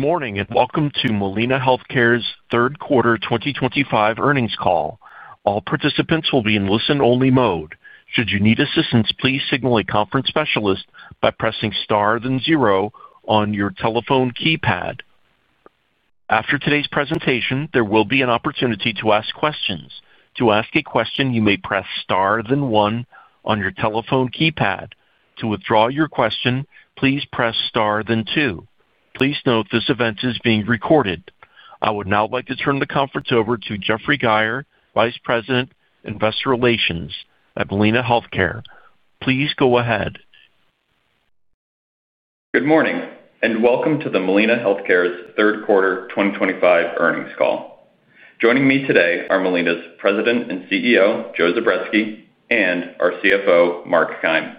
Good morning and welcome to Molina Healthcare's third quarter 2025 earnings call. All participants will be in listen-only mode. Should you need assistance, please signal a conference specialist by pressing star, then zero on your telephone keypad. After today's presentation, there will be an opportunity to ask questions. To ask a question, you may press star, then one on your telephone keypad. To withdraw your question, please press star, then two. Please note this event is being recorded. I would now like to turn the conference over to Jeffrey Geyer, Vice President, Investor Relations at Molina Healthcare. Please go ahead. Good morning and welcome to Molina Healthcare's third quarter 2025 earnings call. Joining me today are Molina's President and CEO, Joseph Zubretsky, and our CFO, Mark Keim.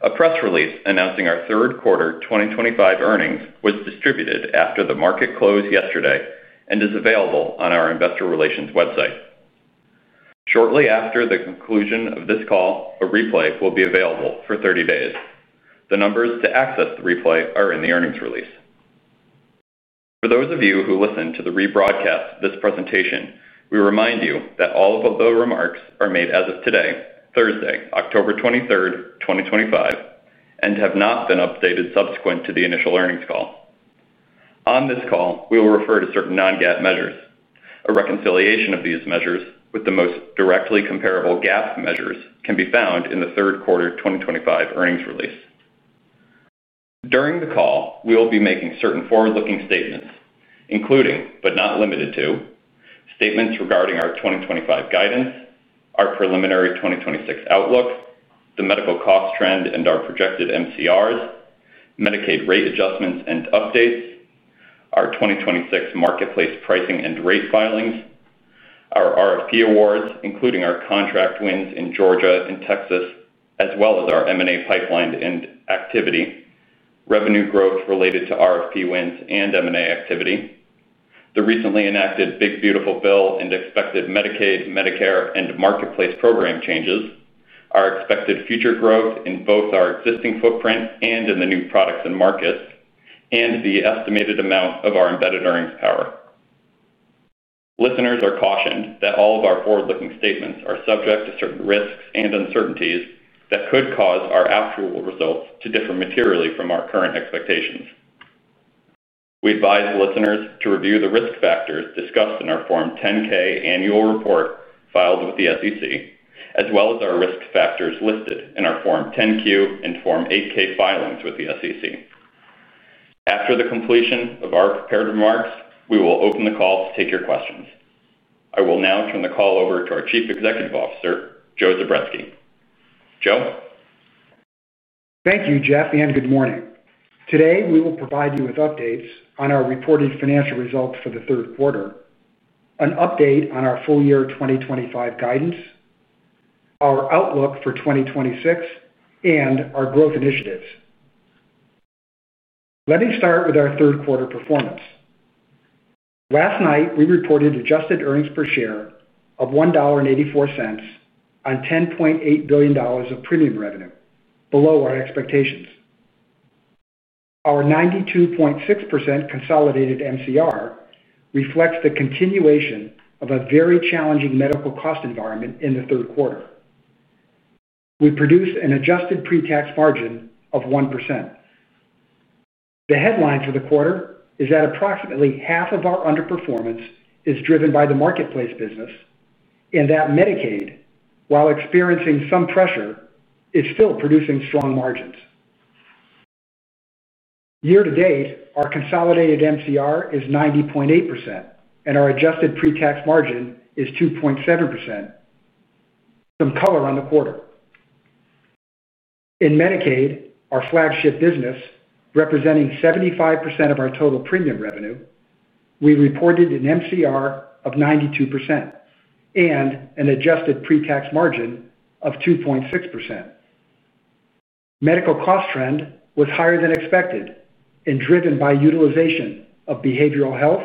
A press release announcing our third quarter 2025 earnings was distributed after the market close yesterday and is available on our Investor Relations website. Shortly after the conclusion of this call, a replay will be available for 30 days. The numbers to access the replay are in the earnings release. For those of you who listen to the rebroadcast of this presentation, we remind you that all of the remarks are made as of today, Thursday, October 23, 2025, and have not been updated subsequent to the initial earnings call. On this call, we will refer to certain non-GAAP measures. A reconciliation of these measures with the most directly comparable GAAP measures can be found in the third quarter 2025 earnings release. During the call, we will be making certain forward-looking statements, including but not limited to statements regarding our 2025 guidance, our preliminary 2026 outlook, the medical cost trend, and our projected MCRs, Medicaid rate adjustments and updates, our 2026 Marketplace pricing and rate filings, our RFP awards, including our contract wins in Georgia and Texas, as well as our M&A pipeline activity, revenue growth related to RFP wins and M&A activity, the recently enacted Big Beautiful Bill and expected Medicaid, Medicare, and Marketplace program changes, our expected future growth in both our existing footprint and in the new products and markets, and the estimated amount of our embedded earnings power. Listeners are cautioned that all of our forward-looking statements are subject to certain risks and uncertainties that could cause our actual results to differ materially from our current expectations. We advise listeners to review the risk factors discussed in our Form 10-K annual report filed with the SEC, as well as our risk factors listed in our Form 10-Q and Form 8-K filings with the SEC. After the completion of our prepared remarks, we will open the call to take your questions. I will now turn the call over to our Chief Executive Officer, Joseph Zubretsky. Joe. Thank you, Jeff, and good morning. Today, we will provide you with updates on our reported financial results for the third quarter, an update on our full-year 2025 guidance, our outlook for 2026, and our growth initiatives. Let me start with our third quarter performance. Last night, we reported adjusted EPS of $1.84 on $10.8 billion of premium revenue, below our expectations. Our 92.6% consolidated MCR reflects the continuation of a very challenging medical cost environment in the third quarter. We produced an adjusted pre-tax margin of 1%. The headline for the quarter is that approximately half of our underperformance is driven by the Marketplace business and that Medicaid, while experiencing some pressure, is still producing strong margins. Year-to-date, our consolidated MCR is 90.8% and our adjusted pre-tax margin is 2.7%. Some color on the quarter. In Medicaid, our flagship business representing 75% of our total premium revenue, we reported an MCR of 92% and an adjusted pre-tax margin of 2.6%. Medical cost trend was higher than expected and driven by utilization of behavioral health,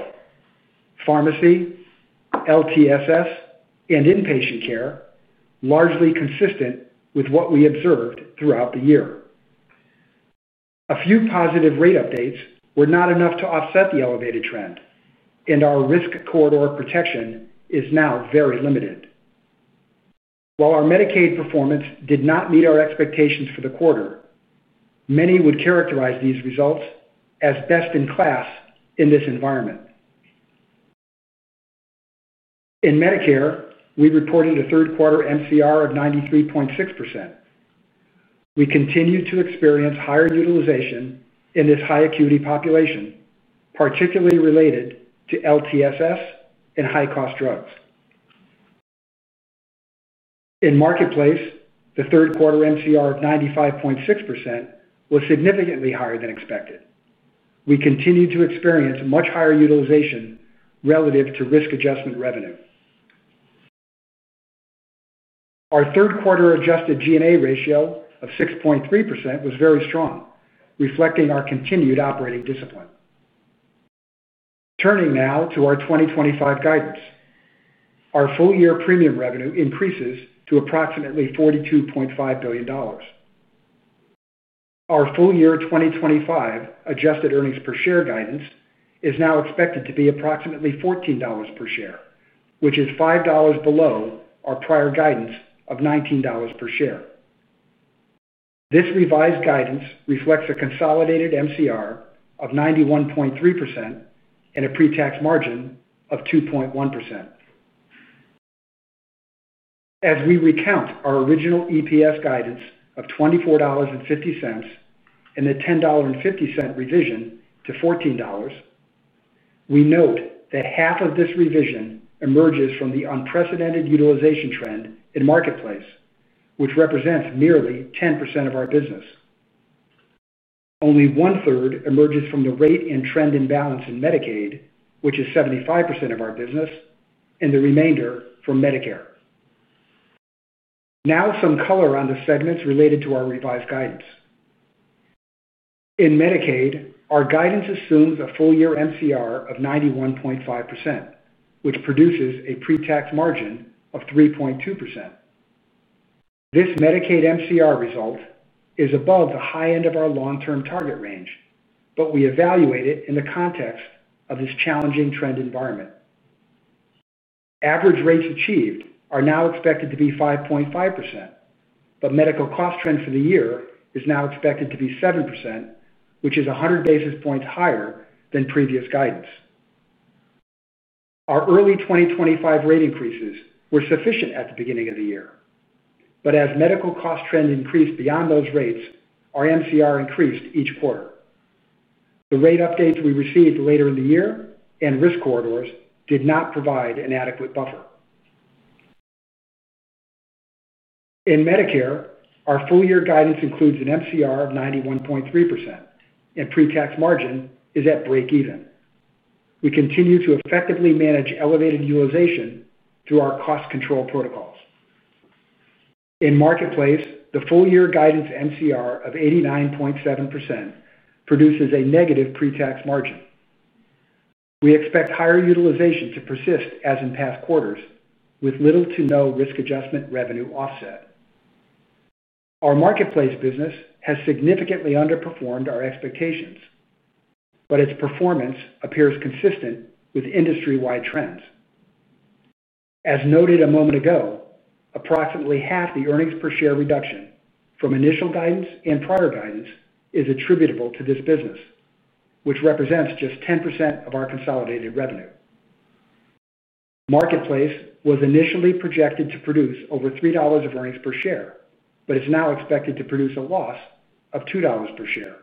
pharmacy, LTSS, and inpatient care, largely consistent with what we observed throughout the year. A few positive rate updates were not enough to offset the elevated trend, and our risk corridor protection is now very limited. While our Medicaid performance did not meet our expectations for the quarter, many would characterize these results as best in class in this environment. In Medicare, we reported a third quarter MCR of 93.6%. We continue to experience higher utilization in this high-acuity population, particularly related to LTSS and high-cost drugs. In Marketplace, the third quarter MCR of 95.6% was significantly higher than expected. We continue to experience much higher utilization relative to risk adjustment revenue. Our third quarter adjusted GNA ratio of 6.3% was very strong, reflecting our continued operating discipline. Turning now to our 2025 guidance, our full-year premium revenue increases to approximately $42.5 billion. Our full-year 2025 adjusted EPS guidance is now expected to be approximately $14 per share, which is $5 below our prior guidance of $19 per share. This revised guidance reflects a consolidated MCR of 91.3% and a pre-tax margin of 2.1%. As we recount our original EPS guidance of $24.50 and the $10.50 revision to $14, we note that half of this revision emerges from the unprecedented utilization trend in Marketplace, which represents merely 10% of our business. Only 1/3 emerges from the rate and trend imbalance in Medicaid, which is 75% of our business, and the remainder from Medicare. Now, some color on the segments related to our revised guidance. In Medicaid, our guidance assumes a full-year MCR of 91.5%, which produces a pre-tax margin of 3.2%. This Medicaid MCR result is above the high end of our long-term target range, but we evaluate it in the context of this challenging trend environment. Average rates achieved are now expected to be 5.5%, but medical cost trend for the year is now expected to be 7%, which is 100 basis points higher than previous guidance. Our early 2025 rate increases were sufficient at the beginning of the year, but as medical cost trend increased beyond those rates, our MCR increased each quarter. The rate updates we received later in the year and risk corridors did not provide an adequate buffer. In Medicare, our full-year guidance includes an MCR of 91.3%, and pre-tax margin is at break-even. We continue to effectively manage elevated utilization through our cost control protocols. In Marketplace, the full-year guidance MCR of 89.7% produces a negative pre-tax margin. We expect higher utilization to persist as in past quarters, with little to no risk adjustment revenue offset. Our Marketplace business has significantly underperformed our expectations, but its performance appears consistent with industry-wide trends. As noted a moment ago, approximately half the earnings per share reduction from initial guidance and prior guidance is attributable to this business, which represents just 10% of our consolidated revenue. Marketplace was initially projected to produce over $3 of earnings per share, but it's now expected to produce a loss of $2 per share,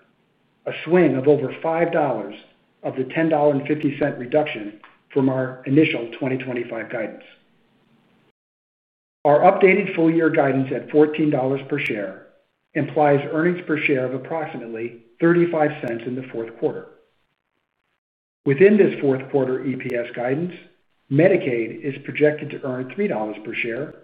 a swing of over $5 of the $10.50 reduction from our initial 2025 guidance. Our updated full-year guidance at $14 per share implies earnings per share of approximately $0.35 in the fourth quarter. Within this fourth quarter EPS guidance, Medicaid is projected to earn $3 per share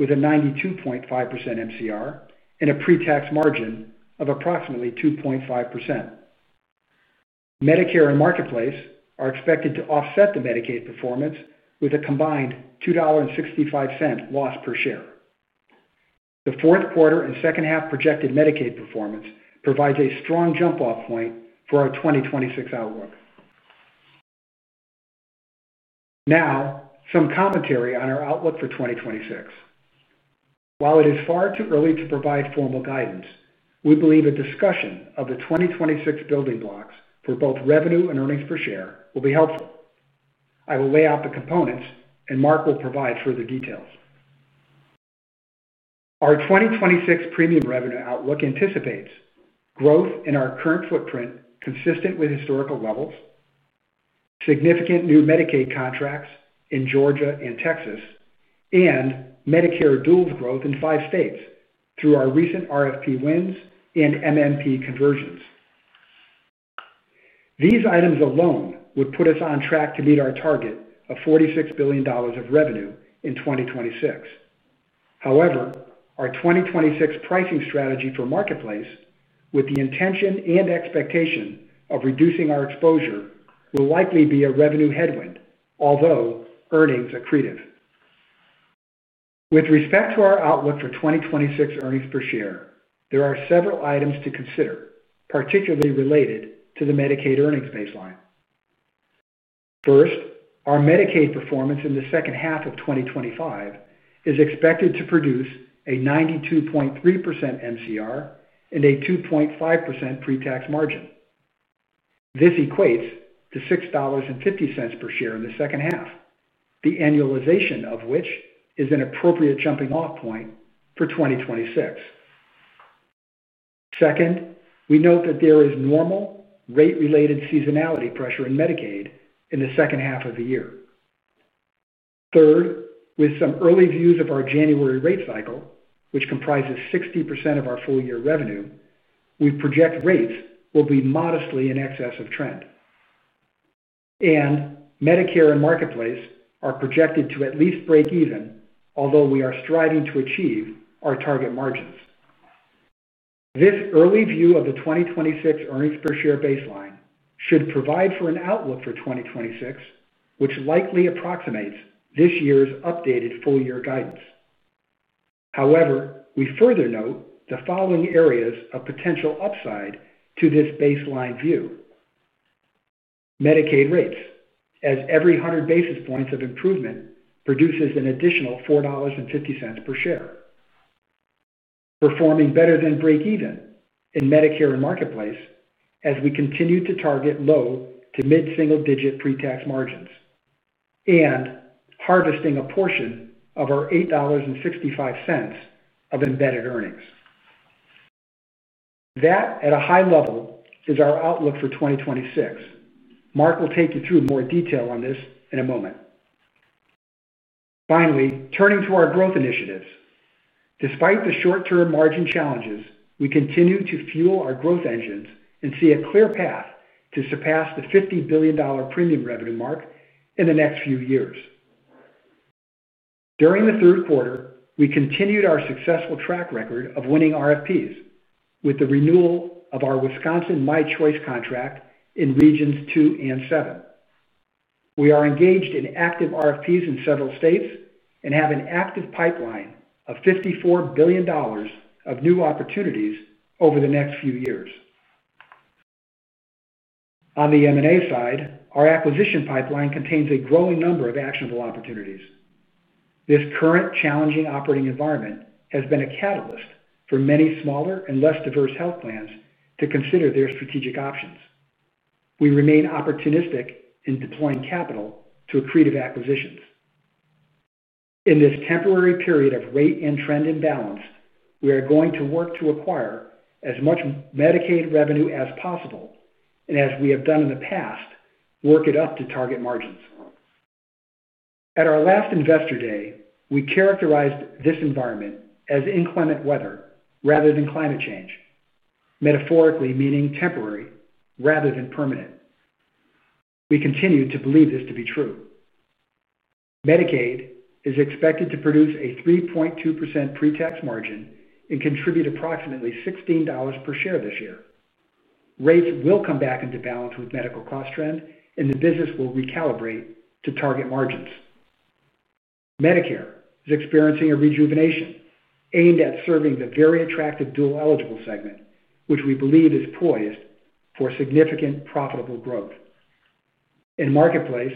with a 92.5% MCR and a pre-tax margin of approximately 2.5%. Medicare and Marketplace are expected to offset the Medicaid performance with a combined $2.65 loss per share. The fourth quarter and second half projected Medicaid performance provides a strong jump-off point for our 2026 outlook. Now, some commentary on our outlook for 2026. While it is far too early to provide formal guidance, we believe a discussion of the 2026 building blocks for both revenue and earnings per share will be helpful. I will lay out the components, and Mark will provide further details. Our 2026 premium revenue outlook anticipates growth in our current footprint consistent with historical levels, significant new Medicaid contracts in Georgia and Texas, and Medicare duals growth in five states through our recent RFP wins and MMP conversions. These items alone would put us on track to meet our target of $46 billion of revenue in 2026. However, our 2026 pricing strategy for Marketplace, with the intention and expectation of reducing our exposure, will likely be a revenue headwind, although earnings accretive. With respect to our outlook for 2026 earnings per share, there are several items to consider, particularly related to the Medicaid earnings baseline. First, our Medicaid performance in the second half of 2025 is expected to produce a 92.3% MCR and a 2.5% pre-tax margin. This equates to $6.50 per share in the second half, the annualization of which is an appropriate jumping-off point for 2026. Second, we note that there is normal rate-related seasonality pressure in Medicaid in the second half of the year. Third, with some early views of our January rate cycle, which comprises 60% of our full-year revenue, we project rates will be modestly in excess of trend. Medicare and Marketplace are projected to at least break even, although we are striving to achieve our target margins. This early view of the 2026 earnings per share baseline should provide for an outlook for 2026, which likely approximates this year's updated full-year guidance. However, we further note the following areas of potential upside to this baseline view: Medicaid rates, as every 100 basis points of improvement produces an additional $4.50 per share, performing better than break-even in Medicare and Marketplace as we continue to target low to mid-single-digit pre-tax margins, and harvesting a portion of our $8.65 of embedded earnings. That, at a high level, is our outlook for 2026. Mark will take you through more detail on this in a moment. Finally, turning to our growth initiatives, despite the short-term margin challenges, we continue to fuel our growth engines and see a clear path to surpass the $50 billion premium revenue mark in the next few years. During the third quarter, we continued our successful track record of winning RFPs with the renewal of our Wisconsin My Choice contract in Regions 2 and 7. We are engaged in active RFPs in several states and have an active pipeline of $54 billion of new opportunities over the next few years. On the M&A side, our acquisition pipeline contains a growing number of actionable opportunities. This current challenging operating environment has been a catalyst for many smaller and less diverse health plans to consider their strategic options. We remain opportunistic in deploying capital to accretive acquisitions. In this temporary period of rate and trend imbalance, we are going to work to acquire as much Medicaid revenue as possible and, as we have done in the past, work it up to target margins. At our last Investor Day, we characterized this environment as inclement weather rather than climate change, metaphorically meaning temporary rather than permanent. We continue to believe this to be true. Medicaid is expected to produce a 3.2% pre-tax margin and contribute approximately $16 per share this year. Rates will come back into balance with medical cost trend, and the business will recalibrate to target margins. Medicare is experiencing a rejuvenation aimed at serving the very attractive dual-eligible segment, which we believe is poised for significant profitable growth. Marketplace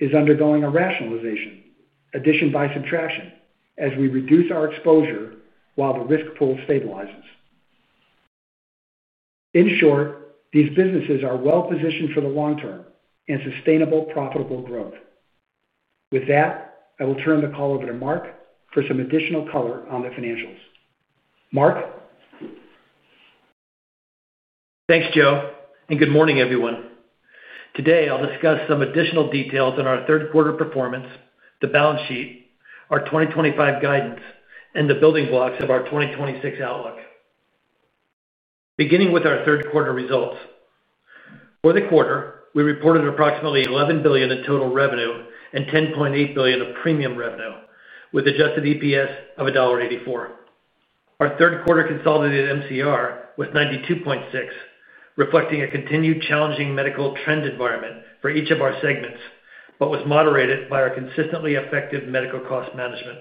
is undergoing a rationalization, addition by subtraction, as we reduce our exposure while the risk pool stabilizes. In short, these businesses are well-positioned for the long-term and sustainable profitable growth. With that, I will turn the call over to Mark for some additional color on the financials. Mark. Thanks, Joe, and good morning, everyone. Today, I'll discuss some additional details on our third quarter performance, the balance sheet, our 2025 guidance, and the building blocks of our 2026 outlook. Beginning with our third quarter results. For the quarter, we reported approximately $11 billion in total revenue and $10.8 billion of premium revenue, with adjusted EPS of $1.84. Our third quarter consolidated MCR was 92.6%, reflecting a continued challenging medical trend environment for each of our segments, but was moderated by our consistently effective medical cost management.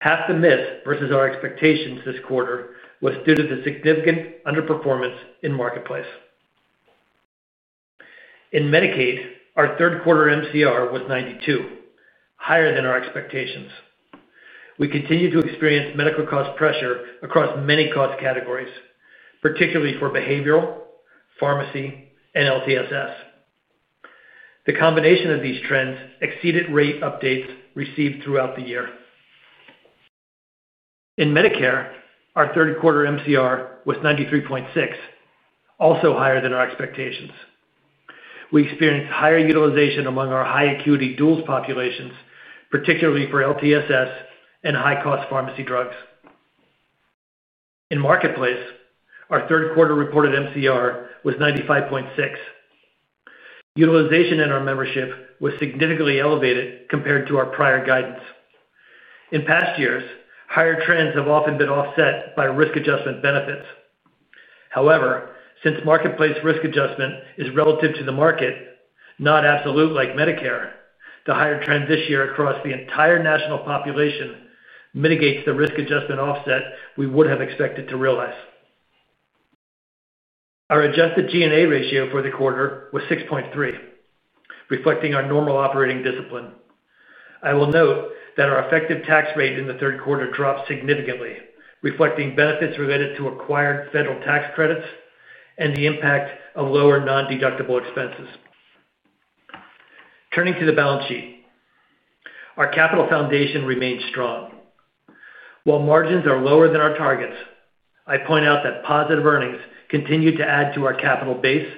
Half the miss versus our expectations this quarter was due to the significant underperformance in Marketplace. In Medicaid, our third quarter MCR was 92%, higher than our expectations. We continue to experience medical cost pressure across many cost categories, particularly for behavioral health, pharmacy, and LTSS. The combination of these trends exceeded rate updates received throughout the year. In Medicare, our third quarter MCR was 93.6%, also higher than our expectations. We experienced higher utilization among our high-acuity dual-eligible populations, particularly for LTSS and high-cost pharmacy drugs. In Marketplace, our third quarter reported MCR was 95.6%. Utilization in our membership was significantly elevated compared to our prior guidance. In past years, higher trends have often been offset by risk adjustment benefits. However, since Marketplace risk adjustment is relative to the market, not absolute like Medicare, the higher trends this year across the entire national population mitigate the risk adjustment offset we would have expected to realize. Our adjusted GNA ratio for the quarter was 6.3%, reflecting our normal operating discipline. I will note that our effective tax rate in the third quarter dropped significantly, reflecting benefits related to acquired federal tax credits and the impact of lower non-deductible expenses. Turning to the balance sheet, our capital foundation remains strong. While margins are lower than our targets, I point out that positive earnings continue to add to our capital base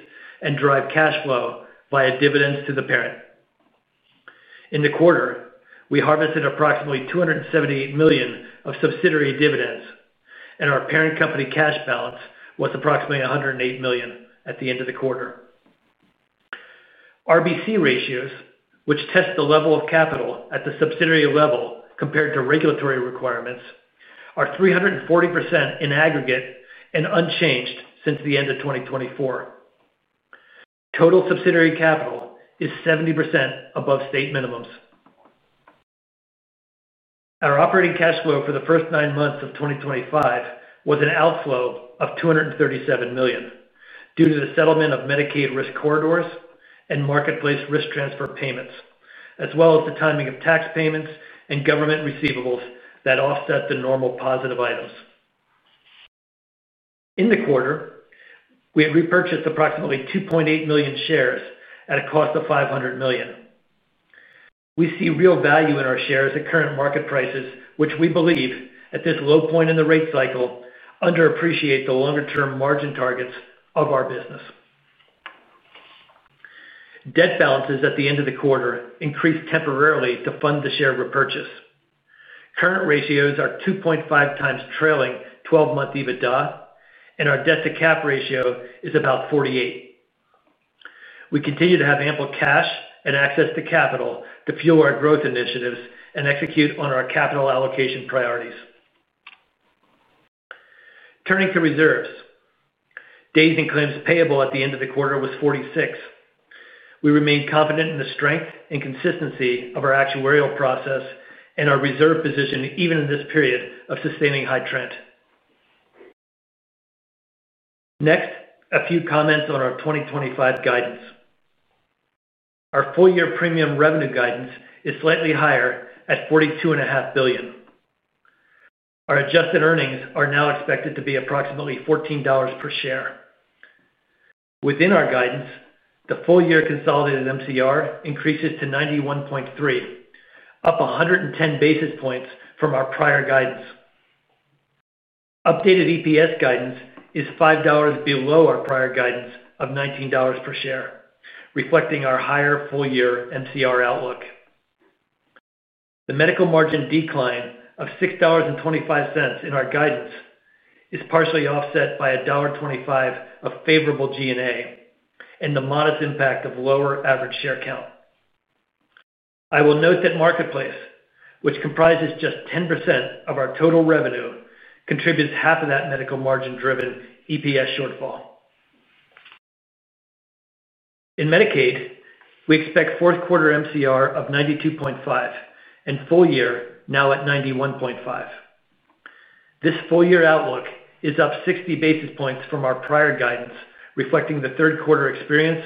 and drive cash flow via dividends to the parent. In the quarter, we harvested approximately $278 million of subsidiary dividends, and our parent company cash balance was approximately $108 million at the end of the quarter. RBC ratios, which test the level of capital at the subsidiary level compared to regulatory requirements, are 340% in aggregate and unchanged since the end of 2024. Total subsidiary capital is 70% above state minimums. Our operating cash flow for the first nine months of 2025 was an outflow of $237 million due to the settlement of Medicaid risk corridors and Marketplace risk transfer payments, as well as the timing of tax payments and government receivables that offset the normal positive items. In the quarter, we had repurchased approximately 2.8 million shares at a cost of $500 million. We see real value in our shares at current market prices, which we believe at this low point in the rate cycle underappreciate the longer-term margin targets of our business. Debt balances at the end of the quarter increased temporarily to fund the share repurchase. Current ratios are 2.5x trailing 12-month EBITDA, and our debt-to-cap ratio is about 48%. We continue to have ample cash and access to capital to fuel our growth initiatives and execute on our capital allocation priorities. Turning to reserves, days in claims payable at the end of the quarter was 46. We remain confident in the strength and consistency of our actuarial process and our reserve position even in this period of sustaining high trend. Next, a few comments on our 2025 guidance. Our full-year premium revenue guidance is slightly higher at $42.5 billion. Our adjusted earnings are now expected to be approximately $14 per share. Within our guidance, the full-year consolidated MCR increases to 91.3%, up 110 basis points from our prior guidance. Updated EPS guidance is $5 below our prior guidance of $19 per share, reflecting our higher full-year MCR outlook. The medical margin decline of $6.25 in our guidance is partially offset by $1.25 of favorable GNA and the modest impact of lower average share count. I will note that Marketplace, which comprises just 10% of our total revenue, contributes half of that medical margin-driven EPS shortfall. In Medicaid, we expect fourth quarter MCR of 92.5% and full-year now at 91.5%. This full-year outlook is up 60 basis points from our prior guidance, reflecting the third quarter experience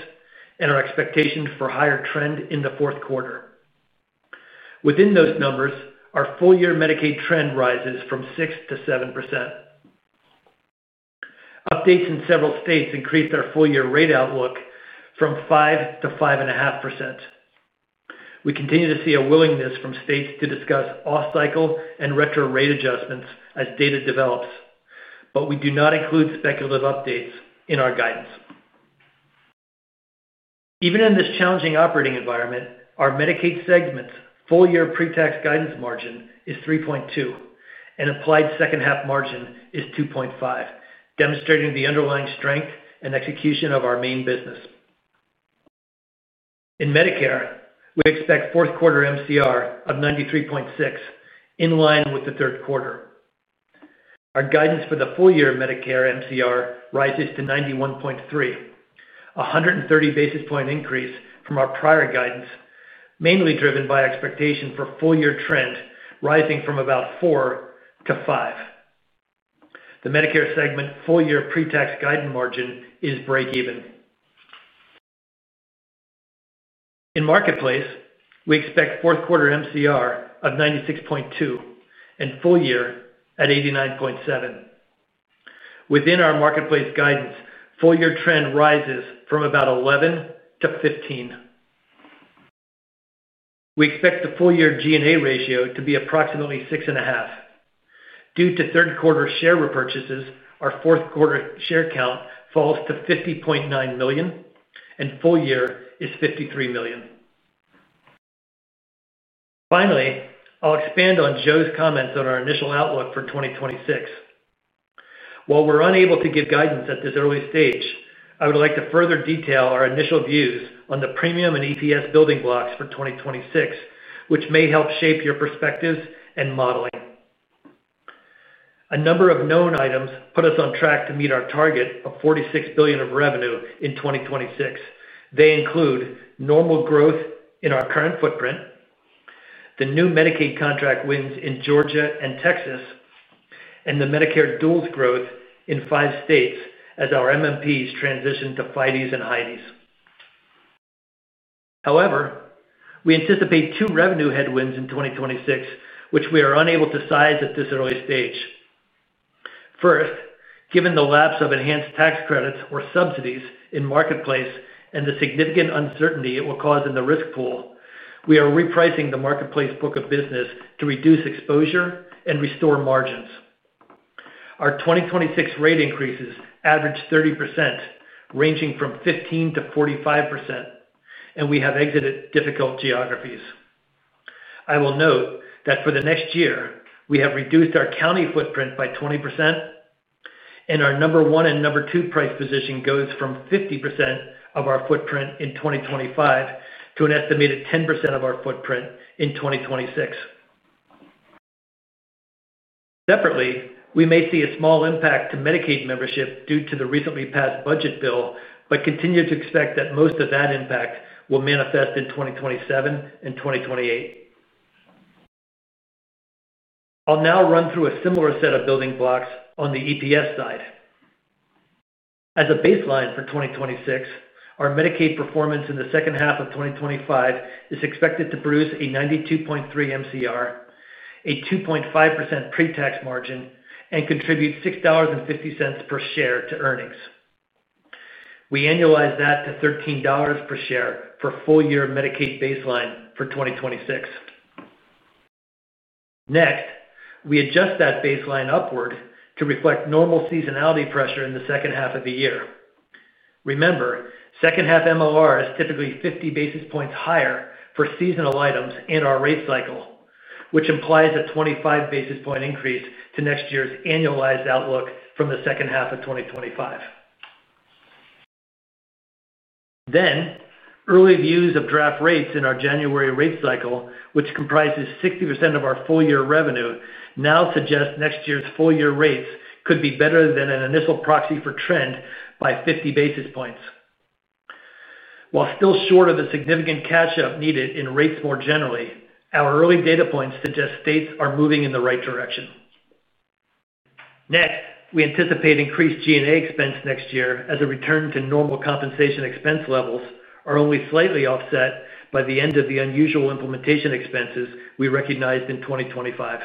and our expectation for a higher trend in the fourth quarter. Within those numbers, our full-year Medicaid trend rises from 6% to 7%. Updates in several states increased our full-year rate outlook from 5% to 5.5%. We continue to see a willingness from states to discuss off-cycle and retro rate adjustments as data develops, but we do not include speculative updates in our guidance. Even in this challenging operating environment, our Medicaid segment's full-year pre-tax guidance margin is 3.2% and applied second half margin is 2.5%, demonstrating the underlying strength and execution of our main business. In Medicare, we expect fourth quarter MCR of 93.6%, in line with the third quarter. Our guidance for the full-year Medicare MCR rises to 91.3%, a 130 basis point increase from our prior guidance, mainly driven by expectation for full-year trend rising from about 4%-5%. The Medicare segment full-year pre-tax guidance margin is break-even. In Marketplace, we expect fourth quarter MCR of 96.2% and full-year at 89.7%. Within our Marketplace guidance, full-year trend rises from about 11%-15%. We expect the full-year G&A ratio to be approximately 6.5%. Due to third quarter share repurchases, our fourth quarter share count falls to 50.9 million and full-year is 53 million. Finally, I'll expand on Joe's comments on our initial outlook for 2026. While we're unable to give guidance at this early stage, I would like to further detail our initial views on the premium and EPS building blocks for 2026, which may help shape your perspectives and modeling. A number of known items put us on track to meet our target of $46 billion of revenue in 2026. They include normal growth in our current footprint, the new Medicaid contract wins in Georgia and Texas, and the Medicare duals growth in five states as our MMPs transition to FIDEs and HIDEs. However, we anticipate two revenue headwinds in 2026, which we are unable to size at this early stage. First, given the lapse of enhanced tax credits or subsidies in Marketplace and the significant uncertainty it will cause in the risk pool, we are repricing the Marketplace book of business to reduce exposure and restore margins. Our 2026 rate increases average 30%, ranging from 15%-45%, and we have exited difficult geographies. I will note that for the next year, we have reduced our county footprint by 20%, and our number one and number two price position goes from 50% of our footprint in 2025 to an estimated 10% of our footprint in 2026. Separately, we may see a small impact to Medicaid membership due to the recently passed budget bill, but continue to expect that most of that impact will manifest in 2027 and 2028. I'll now run through a similar set of building blocks on the EPS side. As a baseline for 2026, our Medicaid performance in the second half of 2025 is expected to produce a 92.3% MCR, a 2.5% pre-tax margin, and contribute $6.50 per share to earnings. We annualize that to $13 per share for full-year Medicaid baseline for 2026. Next, we adjust that baseline upward to reflect normal seasonality pressure in the second half of the year. Remember, second half MCR is typically 50 basis points higher for seasonal items in our rate cycle, which implies a 25 basis point increase to next year's annualized outlook from the second half of 2025. Early views of draft rates in our January rate cycle, which comprises 60% of our full-year revenue, now suggest next year's full-year rates could be better than an initial proxy for trend by 50 basis points. While still short of the significant catch-up needed in rates more generally, our early data points suggest states are moving in the right direction. We anticipate increased G&A expense next year as a return to normal compensation expense levels are only slightly offset by the end of the unusual implementation expenses we recognized in 2025.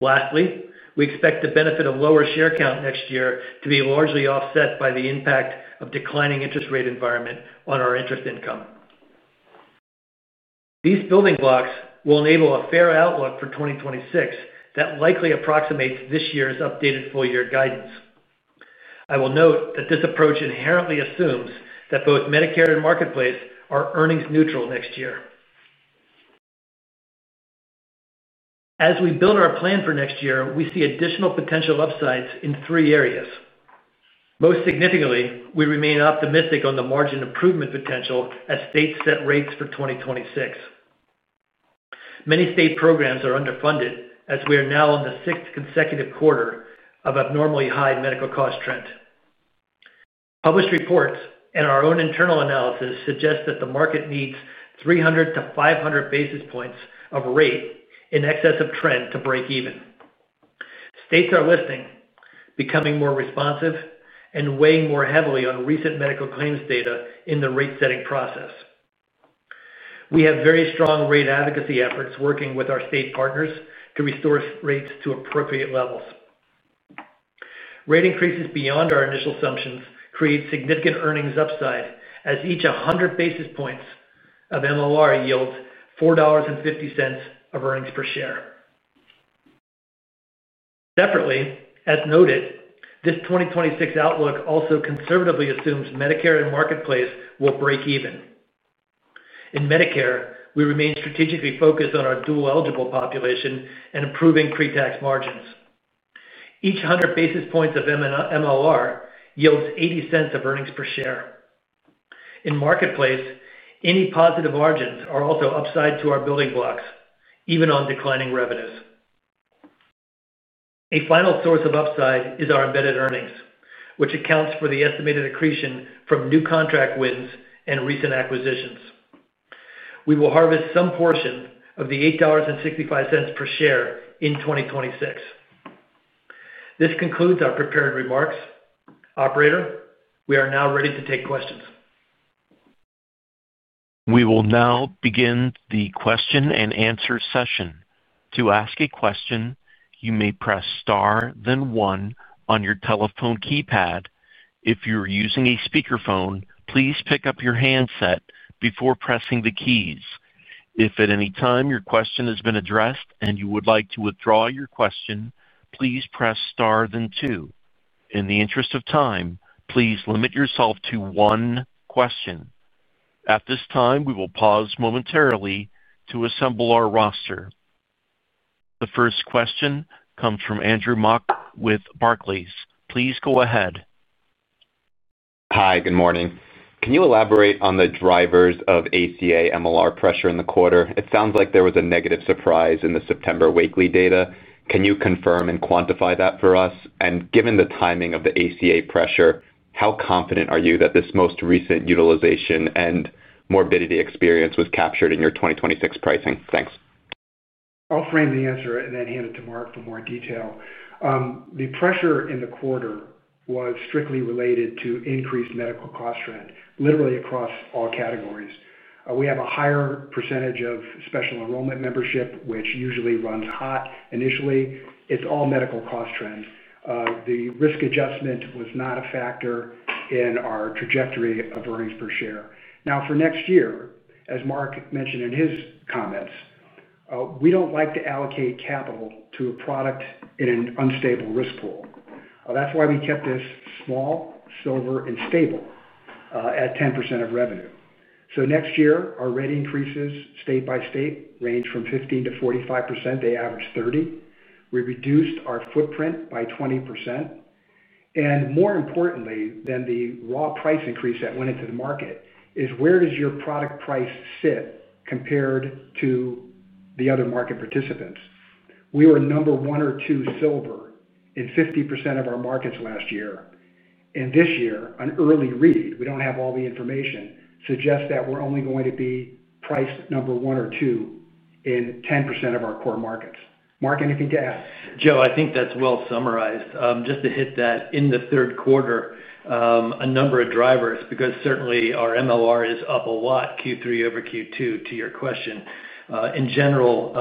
Lastly, we expect the benefit of lower share count next year to be largely offset by the impact of the declining interest rate environment on our interest income. These building blocks will enable a fair outlook for 2026 that likely approximates this year's updated full-year guidance. I will note that this approach inherently assumes that both Medicare and Marketplace are earnings neutral next year. As we build our plan for next year, we see additional potential upsides in three areas. Most significantly, we remain optimistic on the margin improvement potential as states set rates for 2026. Many state programs are underfunded as we are now in the sixth consecutive quarter of abnormally high medical cost trend. Published reports and our own internal analysis suggest that the market needs 300-500 basis points of rate in excess of trend to break even. States are listening, becoming more responsive, and weighing more heavily on recent medical claims data in the rate-setting process. We have very strong rate advocacy efforts working with our state partners to restore rates to appropriate levels. Rate increases beyond our initial assumptions create significant earnings upside as each 100 basis points of MCR yields $4.50 of earnings per share. Separately, as noted, this 2026 outlook also conservatively assumes Medicare and Marketplace will break even. In Medicare, we remain strategically focused on our dual-eligible population and improving pre-tax margins. Each 100 basis points of MCR yields $0.80 of earnings per share. In Marketplace, any positive margins are also upside to our building blocks, even on declining revenues. A final source of upside is our embedded earnings, which accounts for the estimated accretion from new contract wins and recent acquisitions. We will harvest some portion of the $8.65 per share in 2026. This concludes our prepared remarks. Operator, we are now ready to take questions. We will now begin the question-and-answer session. To ask a question, you may press star, then one on your telephone keypad. If you are using a speakerphone, please pick up your handset before pressing the keys. If at any time your question has been addressed and you would like to withdraw your question, please press star, then two. In the interest of time, please limit yourself to one question. At this time, we will pause momentarily to assemble our roster. The first question comes from Andrew Mok with Barclays. Please go ahead. Hi, good morning. Can you elaborate on the drivers of ACA MCR pressure in the quarter? It sounds like there was a negative surprise in the September weekly data. Can you confirm and quantify that for us? Given the timing of the ACA pressure, how confident are you that this most recent utilization and morbidity experience was captured in your 2026 pricing? Thanks. I'll frame the answer and then hand it to Mark for more detail. The pressure in the quarter was strictly related to increased medical cost trend, literally across all categories. We have a higher percentage of special enrollment membership, which usually runs hot initially. It's all medical cost trend. The risk adjustment was not a factor in our trajectory of earnings per share. For next year, as Mark mentioned in his comments, we don't like to allocate capital to a product in an unstable risk pool. That's why we kept this small, sober, and stable, at 10% of revenue. Next year, our rate increases state by state range from 15%-45%. They average 30%. We reduced our footprint by 20%. More importantly than the raw price increase that went into the market is where does your product price sit compared to the other market participants? We were number one or two silver in 50% of our markets last year. This year, an early read, we don't have all the information, suggests that we're only going to be priced number one or two in 10% of our core markets. Mark, anything to add? Joe, I think that's well summarized. Just to hit that in the third quarter, a number of drivers because certainly our MCR is up a lot Q3 over Q2 to your question. In general,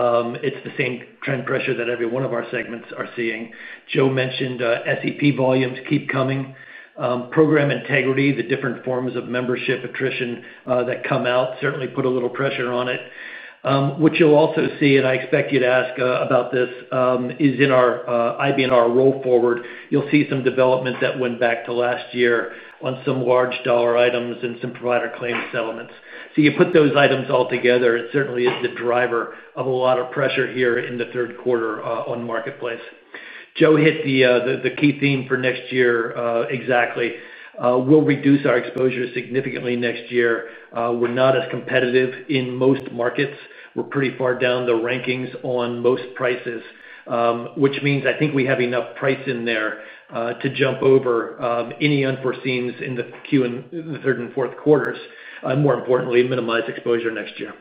it's the same trend pressure that every one of our segments are seeing. Joe mentioned, SEP volumes keep coming. Program integrity, the different forms of membership attrition that come out certainly put a little pressure on it. What you'll also see, and I expect you to ask about this, is in our IB&R roll forward. You'll see some development that went back to last year on some large dollar items and some provider claims settlements. You put those items all together, it certainly is the driver of a lot of pressure here in the third quarter on Marketplace. Joe hit the key theme for next year, exactly. We'll reduce our exposure significantly next year. We're not as competitive in most markets. We're pretty far down the rankings on most prices, which means I think we have enough price in there to jump over any unforeseens in the Q and the third and fourth quarters, more importantly, minimize exposure next year.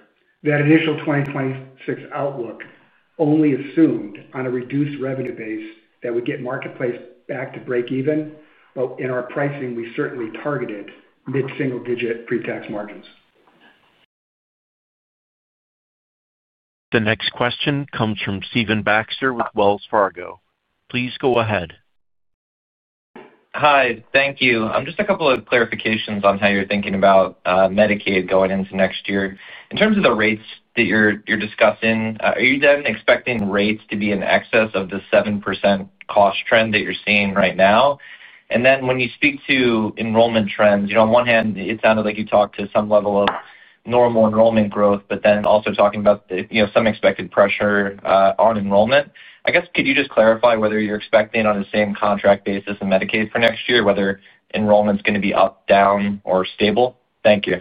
That initial 2026 outlook only assumed on a reduced revenue base that would get Marketplace back to break even, but in our pricing, we certainly targeted mid-single-digit pre-tax margins. The next question comes from Stephen Baxter with Wells Fargo. Please go ahead. Hi, thank you. Just a couple of clarifications on how you're thinking about Medicaid going into next year. In terms of the rates that you're discussing, are you then expecting rates to be in excess of the 7% cost trend that you're seeing right now? When you speak to enrollment trends, on one hand, it sounded like you talked to some level of normal enrollment growth, but also talking about some expected pressure on enrollment. Could you just clarify whether you're expecting on the same contract basis in Medicaid for next year, whether enrollment's going to be up, down, or stable? Thank you.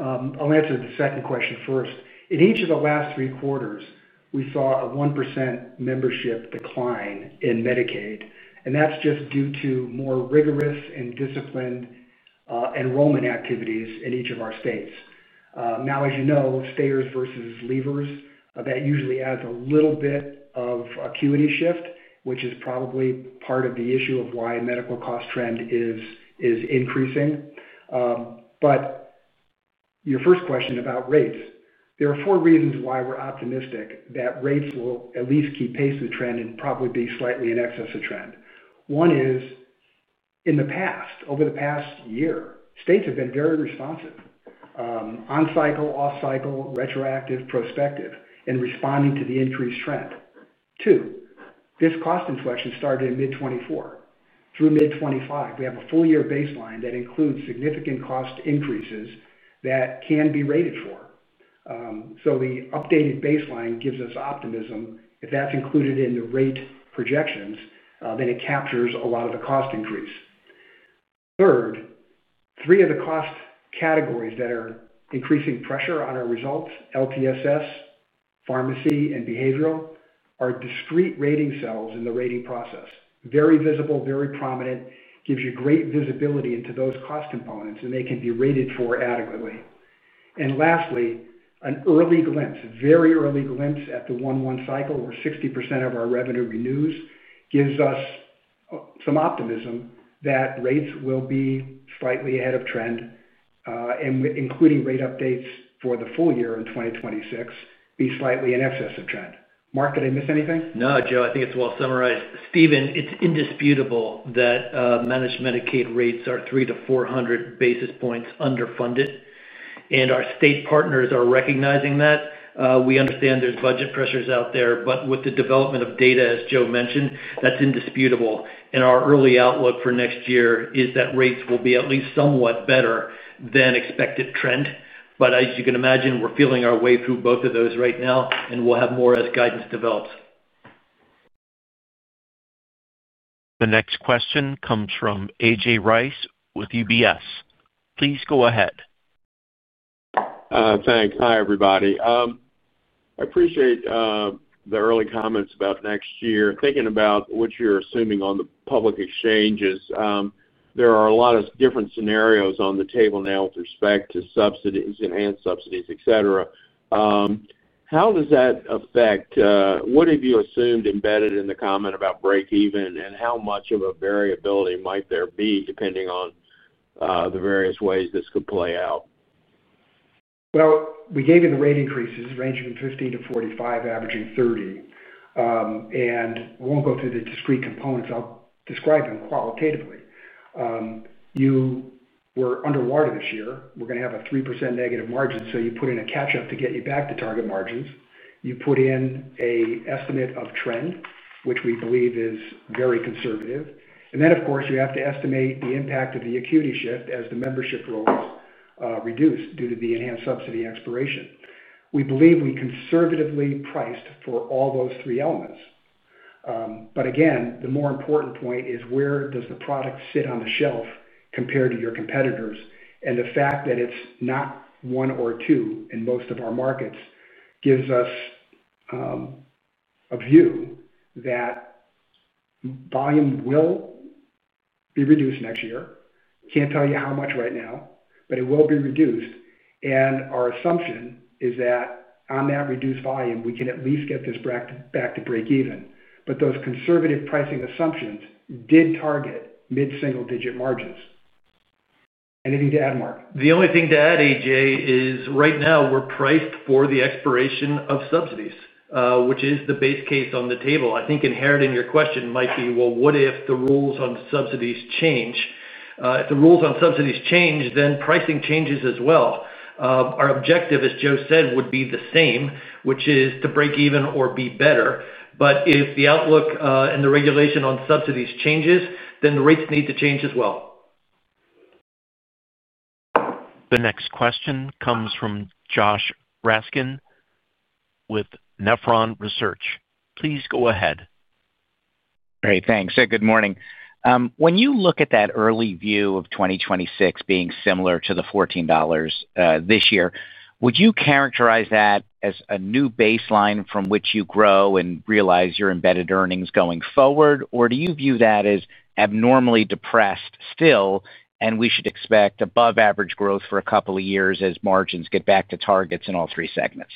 I'll answer the second question first. In each of the last three quarters, we saw a 1% membership decline in Medicaid, and that's just due to more rigorous and disciplined enrollment activities in each of our states. Now, as you know, stayers versus leavers, that usually adds a little bit of acuity shift, which is probably part of the issue of why medical cost trend is increasing. Your first question about rates, there are four reasons why we're optimistic that rates will at least keep pace with the trend and probably be slightly in excess of trend. One is, in the past, over the past year, states have been very responsive, on cycle, off cycle, retroactive, prospective, and responding to the increased trend. Two, this cost inflection started in mid-2024. Through mid-2025, we have a full-year baseline that includes significant cost increases that can be rated for. The updated baseline gives us optimism. If that's included in the rate projections, then it captures a lot of the cost increase. Third, three of the cost categories that are increasing pressure on our results: LTSS, pharmacy, and behavioral are discrete rating cells in the rating process. Very visible, very prominent, gives you great visibility into those cost components, and they can be rated for adequately. Lastly, an early glimpse, very early glimpse at the 1/1 cycle where 60% of our revenue renews gives us some optimism that rates will be slightly ahead of trend, and including rate updates for the full year in 2026 be slightly in excess of trend. Mark, did I miss anything? No, Joe, I think it's well summarized. Stephen, it's indisputable that managed Medicaid rates are 3%-4% underfunded, and our state partners are recognizing that. We understand there's budget pressures out there, but with the development of data, as Joe mentioned, that's indisputable. Our early outlook for next year is that rates will be at least somewhat better than expected trend. As you can imagine, we're feeling our way through both of those right now, and we'll have more as guidance develops. The next question comes from AJ Rice with UBS. Please go ahead. Thanks. Hi, everybody. I appreciate the early comments about next year, thinking about what you're assuming on the public exchanges. There are a lot of different scenarios on the table now with respect to subsidies, enhanced subsidies, etc. How does that affect, what have you assumed embedded in the comment about break-even, and how much of a variability might there be depending on the various ways this could play out? We gave you the rate increases ranging from 15%-45%, averaging 30%, and we won't go through the discrete components. I'll describe them qualitatively. You were underwater this year. We're going to have a 3% negative margin, so you put in a catch-up to get you back to target margins. You put in an estimate of trend, which we believe is very conservative. Of course, you have to estimate the impact of the acuity shift as the membership rolls reduce due to the enhanced subsidy expiration. We believe we conservatively priced for all those three elements. The more important point is where does the product sit on the shelf compared to your competitors? The fact that it's not one or two in most of our markets gives us a view that volume will be reduced next year. Can't tell you how much right now, but it will be reduced. Our assumption is that on that reduced volume, we can at least get this back to break even. Those conservative pricing assumptions did target mid-single-digit margins. Anything to add, Mark? The only thing to add, AJ, is right now we're priced for the expiration of subsidies, which is the base case on the table. I think inherent in your question might be, what if the rules on subsidies change? If the rules on subsidies change, then pricing changes as well. Our objective, as Joe said, would be the same, which is to break even or be better. If the outlook and the regulation on subsidies changes, then the rates need to change as well. The next question comes from Josh Raskin with Nephron Research. Please go ahead. All right, thanks. Good morning. When you look at that early view of 2026 being similar to the $14 this year, would you characterize that as a new baseline from which you grow and realize your embedded earnings going forward, or do you view that as abnormally depressed still and we should expect above-average growth for a couple of years as margins get back to targets in all three segments?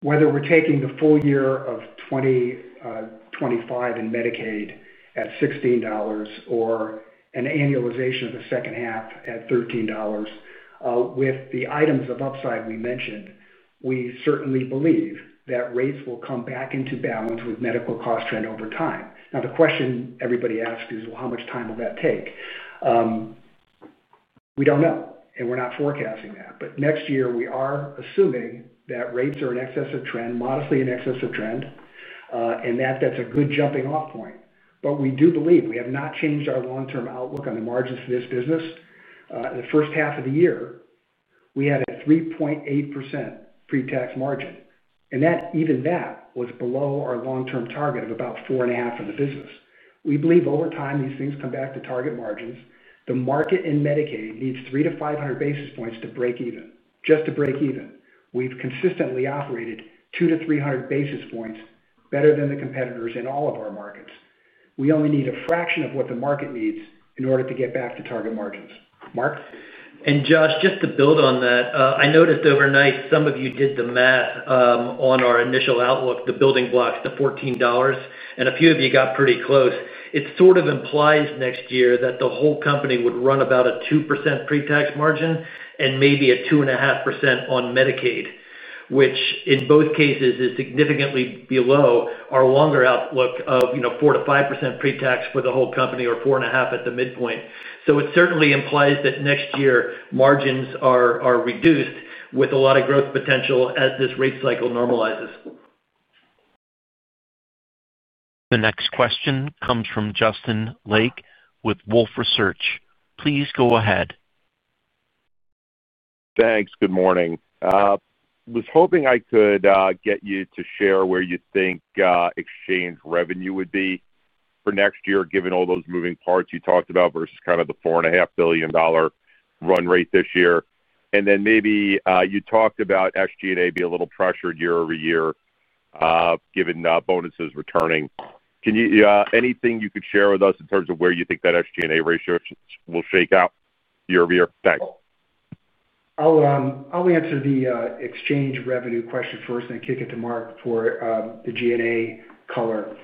Whether we're taking the full year of 2025 in Medicaid at $16 or an annualization of the second half at $13, with the items of upside we mentioned, we certainly believe that rates will come back into balance with medical cost trend over time. The question everybody asked is, how much time will that take? We don't know, and we're not forecasting that. Next year, we are assuming that rates are in excess of trend, modestly in excess of trend, and that that's a good jumping-off point. We do believe we have not changed our long-term outlook on the margins for this business. In the first half of the year, we had a 3.8% pre-tax margin, and even that was below our long-term target of about 4.5% for the business. We believe over time these things come back to target margins. The market in Medicaid needs 300-500 basis points to break even, just to break even. We've consistently operated 200-300 basis points better than the competitors in all of our markets. We only need a fraction of what the market needs in order to get back to target margins. Mark? Josh, just to build on that, I noticed overnight some of you did the math on our initial outlook, the building blocks, the $14, and a few of you got pretty close. It sort of implies next year that the whole company would run about a 2% pre-tax margin and maybe a 2.5% on Medicaid, which in both cases is significantly below our longer outlook of, you know, 4%-5% pre-tax for the whole company or 4.5% at the midpoint. It certainly implies that next year margins are reduced with a lot of growth potential as this rate cycle normalizes. The next question comes from Justin Lake with Wolfe Research. Please go ahead. Thanks. Good morning. I was hoping I could get you to share where you think exchange revenue would be for next year, given all those moving parts you talked about versus kind of the $4.5 billion run rate this year. Maybe you talked about SG&A being a little pressured year over year, given bonuses returning. Can you share anything with us in terms of where you think that SG&A ratio will shake out year over year? Thanks. I'll answer the exchange revenue question first and then kick it to Mark for the G&A color.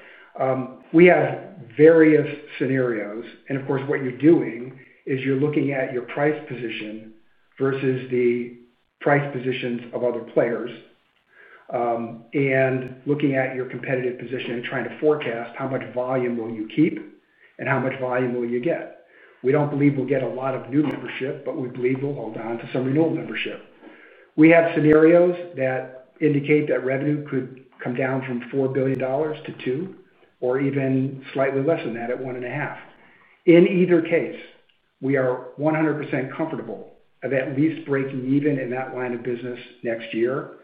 We have various scenarios, and of course, what you're doing is you're looking at your price position versus the price positions of other players, and looking at your competitive position and trying to forecast how much volume will you keep and how much volume will you get. We don't believe we'll get a lot of new membership, but we believe we'll hold on to some renewal membership. We have scenarios that indicate that revenue could come down from $4 billion to $2 billion or even slightly less than that at $1.5 billion. In either case, we are 100% comfortable of at least breaking even in that line of business next year,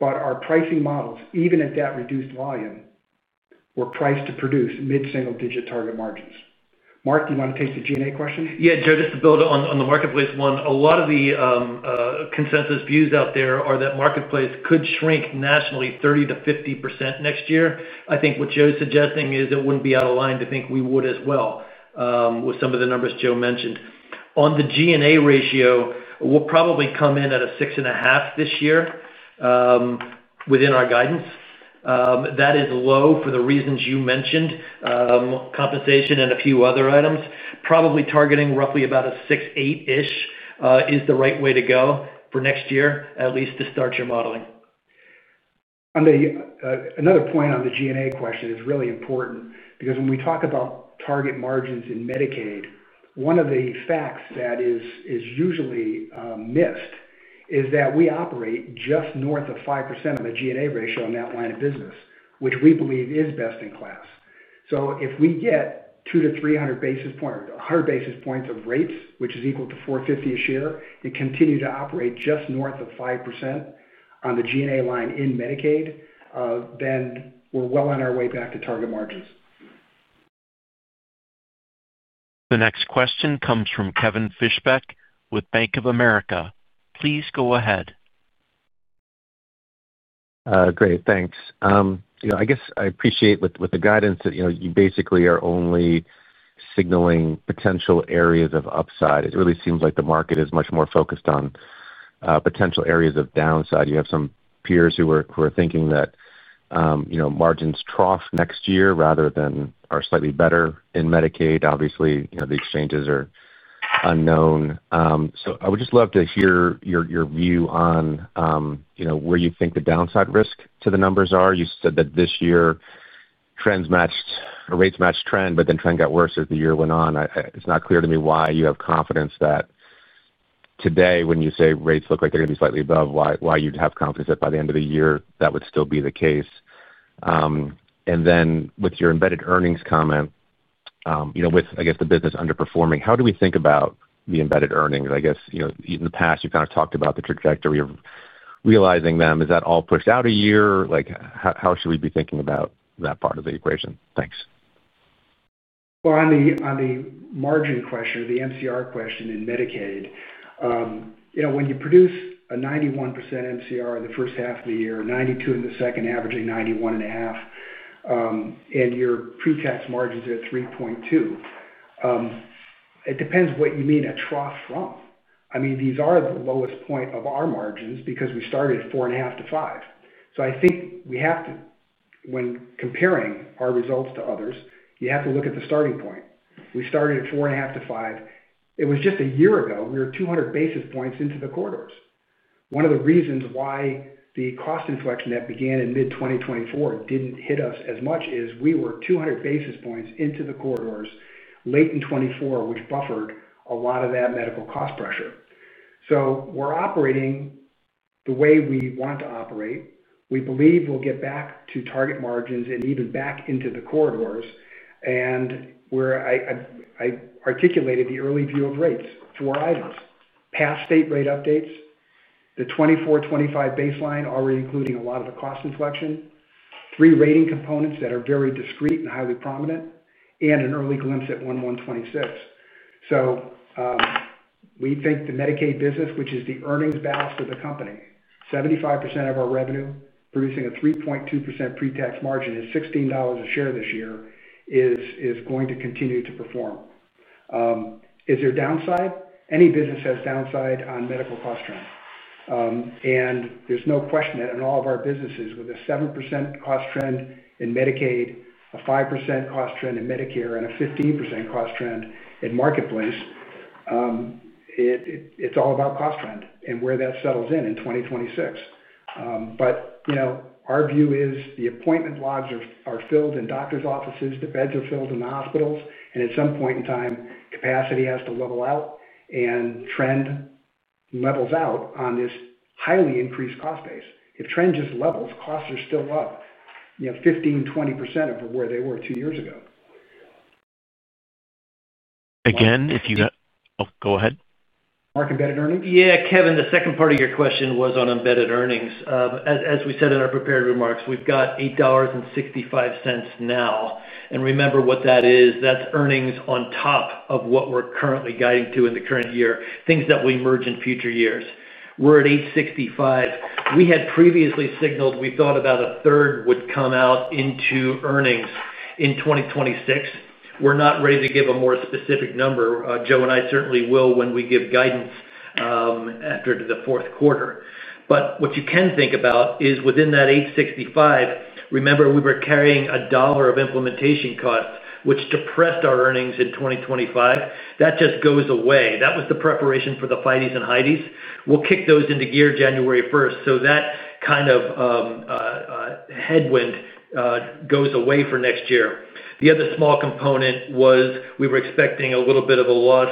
but our pricing models, even at that reduced volume, were priced to produce mid-single-digit target margins. Mark, do you want to take the G&A question? Yeah, Joe, just to build on the Marketplace one, a lot of the consensus views out there are that Marketplace could shrink nationally 30%-50% next year. I think what Joe's suggesting is it wouldn't be out of line to think we would as well, with some of the numbers Joe mentioned. On the G&A ratio, we'll probably come in at a 6.5% this year, within our guidance. That is low for the reasons you mentioned, compensation and a few other items. Probably targeting roughly about a 6.8%-ish is the right way to go for next year, at least to start your modeling. Another point on the G&A question is really important because when we talk about target margins in Medicaid, one of the facts that is usually missed is that we operate just north of 5% on the G&A ratio in that line of business, which we believe is best in class. If we get 200-300 basis points or 100 basis points of rates, which is equal to $4.50 a share, and continue to operate just north of 5% on the G&A line in Medicaid, then we're well on our way back to target margins. The next question comes from Kevin Fischbeck with Bank of America. Please go ahead. Great. Thanks. I appreciate with the guidance that you basically are only signaling potential areas of upside. It really seems like the market is much more focused on potential areas of downside. You have some peers who are thinking that margins trough next year rather than are slightly better in Medicaid. Obviously, the exchanges are unknown. I would just love to hear your view on where you think the downside risk to the numbers are. You said that this year trends matched or rates matched trend, but then trend got worse as the year went on. It's not clear to me why you have confidence that today when you say rates look like they're going to be slightly above, why you'd have confidence that by the end of the year that would still be the case. With your embedded earnings comment, with the business underperforming, how do we think about the embedded earnings? In the past, you kind of talked about the trajectory of realizing them. Is that all pushed out a year? How should we be thinking about that part of the equation? Thanks. On the margin question or the MCR question in Medicaid, you know, when you produce a 91% MCR in the first half of the year, 92% in the second, averaging 91.5%, and your pre-tax margins are at 3.2%, it depends what you mean a trough from. I mean, these are the lowest point of our margins because we started at 4.5%-5%. I think we have to, when comparing our results to others, you have to look at the starting point. We started at 4.5%-5%. It was just a year ago, we were 200 basis points into the corridors. One of the reasons why the cost inflection that began in mid-2024 didn't hit us as much is we were 200 basis points into the corridors late in 2024, which buffered a lot of that medical cost pressure. We're operating the way we want to operate. We believe we'll get back to target margins and even back into the corridors. Where I articulated the early view of rates for items, past state rate updates, the 2024-2025 baseline already including a lot of the cost inflection, three rating components that are very discrete and highly prominent, and an early glimpse at one one 2026. We think the Medicaid business, which is the earnings balance of the company, 75% of our revenue, producing a 3.2% pre-tax margin at $16 a share this year, is going to continue to perform. Is there downside? Any business has downside on medical cost trend. There's no question that in all of our businesses with a 7% cost trend in Medicaid, a 5% cost trend in Medicare, and a 15% cost trend in Marketplace, it's all about cost trend and where that settles in in 2026. You know, our view is the appointment logs are filled in doctor's offices, the beds are filled in the hospitals, and at some point in time, capacity has to level out and trend levels out on this highly increased cost base. If trend just levels, costs are still up, you know, 15%, 20% over where they were two years ago. Again, if you got, go ahead. Mark, embedded earnings? Yeah, Kevin, the second part of your question was on embedded earnings. As we said in our prepared remarks, we've got $8.65 now. Remember what that is, that's earnings on top of what we're currently guiding to in the current year, things that will emerge in future years. We're at $8.65. We had previously signaled we thought about a third would come out into earnings in 2026. We're not ready to give a more specific number. Joe and I certainly will when we give guidance after the fourth quarter. What you can think about is within that $8.65, remember we were carrying $1 of implementation costs, which depressed our earnings in 2025. That just goes away. That was the preparation for the FIDEs and HIDEs. We'll kick those into gear January 1 so that kind of headwind goes away for next year. The other small component was we were expecting a little bit of a loss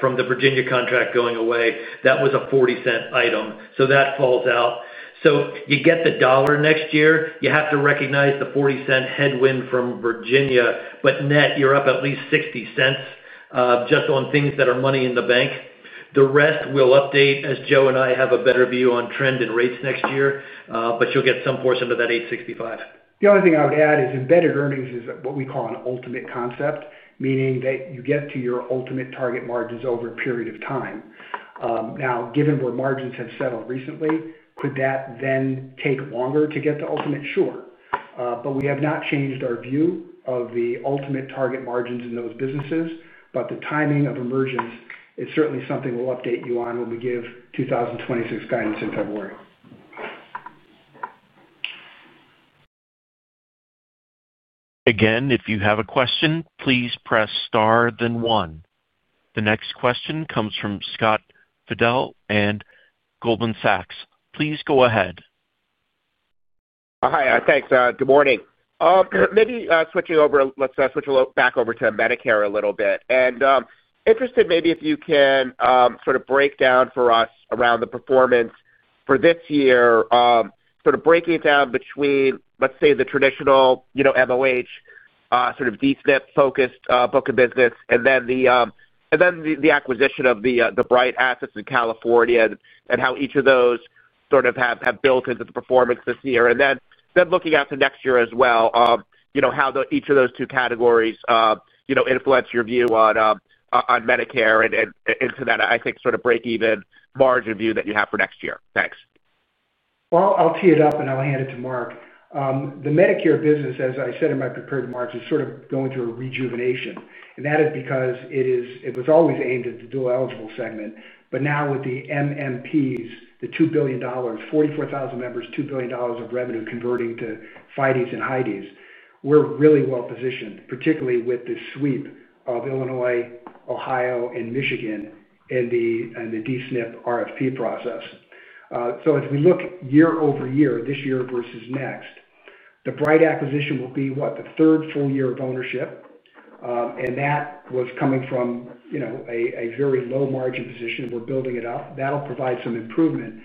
from the Virginia contract going away. That was a $0.40 item. That falls out. You get the $1 next year, you have to recognize the $0.40 headwind from Virginia, but net you're up at least $0.60, just on things that are money in the bank. The rest we'll update as Joe and I have a better view on trend and rates next year, but you'll get some portion of that $8.65. The only thing I would add is embedded earnings is what we call an ultimate concept, meaning that you get to your ultimate target margins over a period of time. Now, given where margins have settled recently, could that then take longer to get to ultimate? Sure. We have not changed our view of the ultimate target margins in those businesses, but the timing of emergence is certainly something we'll update you on when we give 2026 guidance in February. Again, if you have a question, please press star, then one. The next question comes from Scott Fidel at Goldman Sachs. Please go ahead. Hi, thanks. Good morning. Maybe switching over, let's switch a little back over to Medicare a little bit. Interested maybe if you can sort of break down for us around the performance for this year, sort of breaking it down between, let's say, the traditional, you know, MOH, sort of deep net focused book of business, and then the acquisition of the Bright Assets in California and how each of those sort of have built into the performance this year. Then looking out to next year as well, you know, how each of those two categories influence your view on Medicare and into that, I think, sort of break-even margin view that you have for next year. Thanks. I'll tee it up and hand it to Mark. The Medicare business, as I said in my prepared remarks, is sort of going through a rejuvenation. That is because it was always aimed at the dual-eligible segment. Now with the MMPs, the $2 billion, 44,000 members, $2 billion of revenue converting to FIDEs and HIDEs, we're really well positioned, particularly with the sweep of Illinois, Ohio, and Michigan in the de-snip RFP process. As we look year over year, this year versus next, the Bright acquisition will be, what, the third full year of ownership. That was coming from a very low margin position. We're building it up. That'll provide some improvement.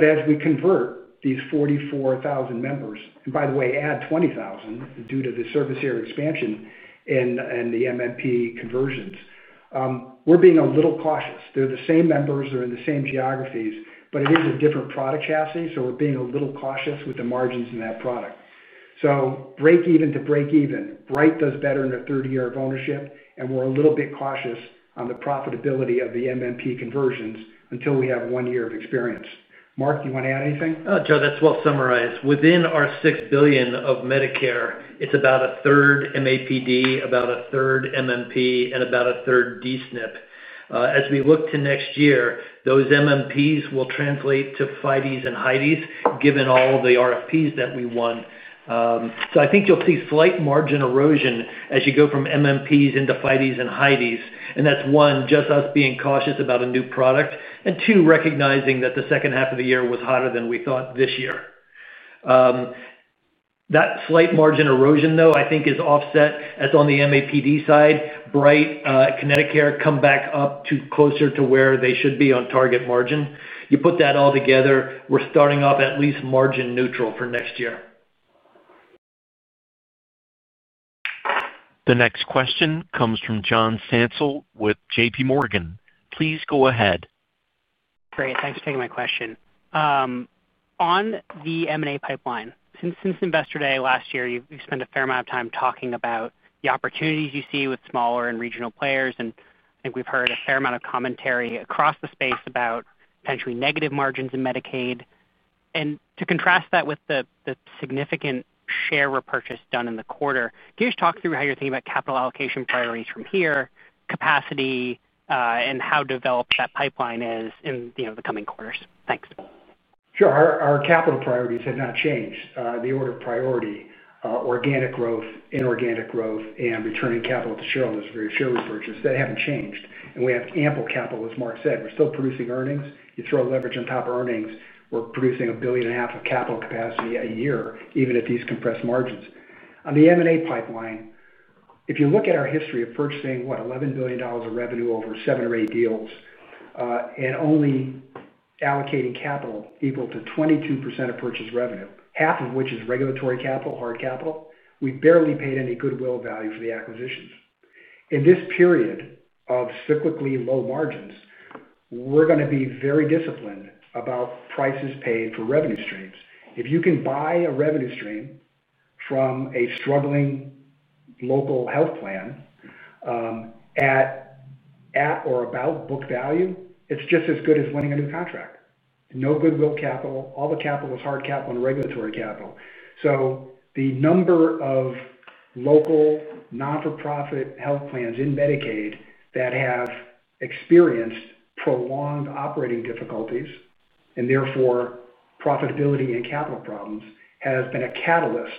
As we convert these 44,000 members, and by the way, add 20,000 due to the service area expansion and the MMP conversions, we're being a little cautious. They're the same members, they're in the same geographies, but it is a different product chassis, so we're being a little cautious with the margins in that product. Break even to break even, Bright does better in a third year of ownership, and we're a little bit cautious on the profitability of the MMP conversions until we have one year of experience. Mark, do you want to add anything? Oh, Joe, that's well summarized. Within our $6 billion of Medicare, it's about 1/3 MAPD, about 1/3 MMP, and about 1/3 D-SNP. As we look to next year, those MMPs will translate to FIDEs and HIDEs, given all of the RFPs that we won. I think you'll see slight margin erosion as you go from MMPs into FIDEs and HIDEs, and that's one, just us being cautious about a new product, and two, recognizing that the second half of the year was hotter than we thought this year. That slight margin erosion, though, I think is offset. That's on the MAPD side. Bright, can Medicare come back up to closer to where they should be on target margin? You put that all together, we're starting off at least margin neutral for next year. The next question comes from John Stansel with JPMorgan. Please go ahead. Great. Thanks for taking my question. On the M&A pipeline, since Investor Day last year, you've spent a fair amount of time talking about the opportunities you see with smaller and regional players, and I think we've heard a fair amount of commentary across the space about potentially negative margins in Medicaid. To contrast that with the significant share repurchase done in the quarter, can you just talk through how you're thinking about capital allocation priorities from here, capacity, and how developed that pipeline is in the coming quarters? Thanks. Sure. Our capital priorities have not changed. The order of priority, organic growth, inorganic growth, and returning capital to shareholders for share repurchase, that hasn't changed. We have ample capital, as Mark said. We're still producing earnings. You throw leverage on top of earnings, we're producing $1.5 billion of capital capacity a year, even at these compressed margins. On the M&A pipeline, if you look at our history of purchasing, what, $11 billion of revenue over seven or eight deals, and only allocating capital equal to 22% of purchase revenue, half of which is regulatory capital, hard capital, we've barely paid any goodwill value for the acquisitions. In this period of cyclically low margins, we're going to be very disciplined about prices paid for revenue streams. If you can buy a revenue stream from a struggling local health plan, at or about book value, it's just as good as winning a new contract. No goodwill capital, all the capital is hard capital and regulatory capital. The number of local not-for-profit health plans in Medicaid that have experienced prolonged operating difficulties, and therefore profitability and capital problems, has been a catalyst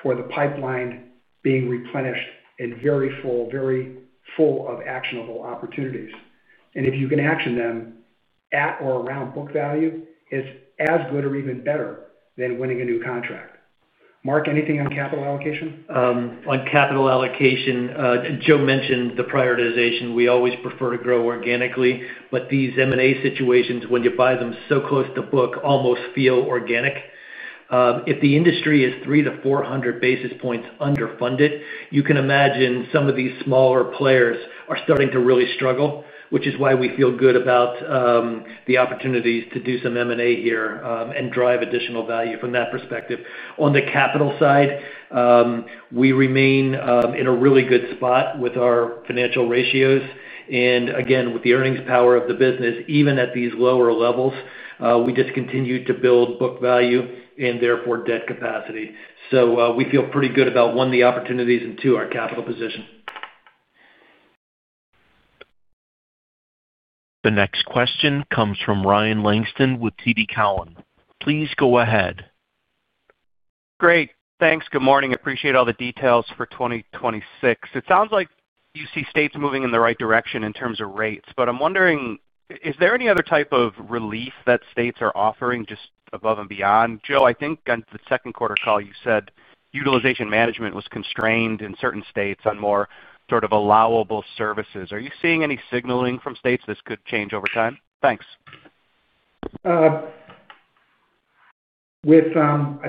for the pipeline being replenished and very full, very full of actionable opportunities. If you can action them at or around book value, it's as good or even better than winning a new contract. Mark, anything on capital allocation? On capital allocation, Joe mentioned the prioritization. We always prefer to grow organically, but these M&A situations, when you buy them so close to book, almost feel organic. If the industry is 3%-4% underfunded, you can imagine some of these smaller players are starting to really struggle, which is why we feel good about the opportunities to do some M&A here and drive additional value from that perspective. On the capital side, we remain in a really good spot with our financial ratios. With the earnings power of the business, even at these lower levels, we just continue to build book value and therefore debt capacity. We feel pretty good about, one, the opportunities and, two, our capital position. The next question comes from Ryan Langston with TD Cowen. Please go ahead. Great. Thanks. Good morning. I appreciate all the details for 2026. It sounds like you see states moving in the right direction in terms of rates, but I'm wondering, is there any other type of relief that states are offering just above and beyond? Joe, I think on the second quarter call, you said utilization management was constrained in certain states on more sort of allowable services. Are you seeing any signaling from states this could change over time? Thanks. I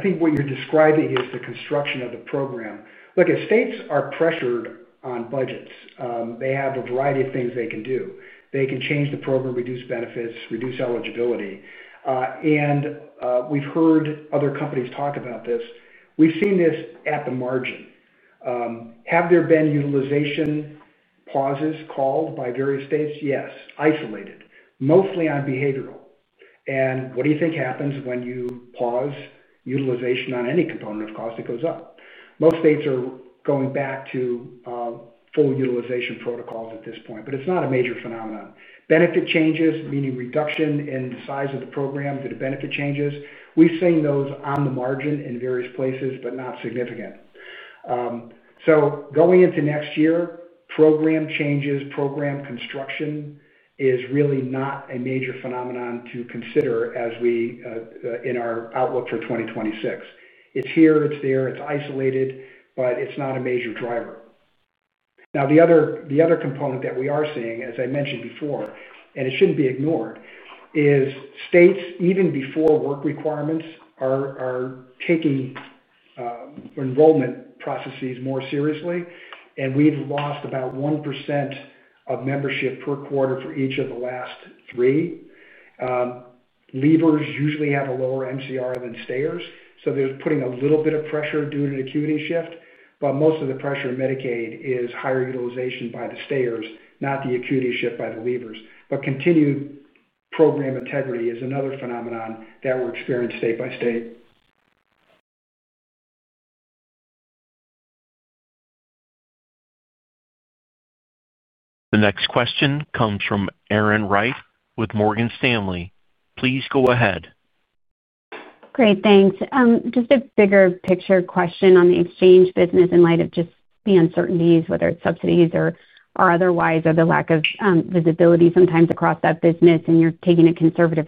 think what you're describing is the construction of the program. Look, if states are pressured on budgets, they have a variety of things they can do. They can change the program, reduce benefits, reduce eligibility. We've heard other companies talk about this. We've seen this at the margin. Have there been utilization pauses called by various states? Yes, isolated, mostly on behavioral. What do you think happens when you pause utilization on any component of cost that goes up? Most states are going back to full utilization protocols at this point, but it's not a major phenomenon. Benefit changes, meaning reduction in the size of the program due to benefit changes, we've seen those on the margin in various places, but not significant. Going into next year, program changes, program construction is really not a major phenomenon to consider in our outlook for 2026. It's here, it's there, it's isolated, but it's not a major driver. The other component that we are seeing, as I mentioned before, and it shouldn't be ignored, is states, even before work requirements, are taking enrollment processes more seriously. We've lost about 1% of membership per quarter for each of the last three. Leavers usually have a lower MCR than stayers, so they're putting a little bit of pressure due to the acuity shift, but most of the pressure in Medicaid is higher utilization by the stayers, not the acuity shift by the leavers. Continued program integrity is another phenomenon that we're experiencing state by state. The next question comes from Erin Wright with Morgan Stanley. Please go ahead. Great, thanks. Just a bigger picture question on the Marketplace business in light of the uncertainties, whether it's subsidies or otherwise, or the lack of visibility sometimes across that business, and you're taking a conservative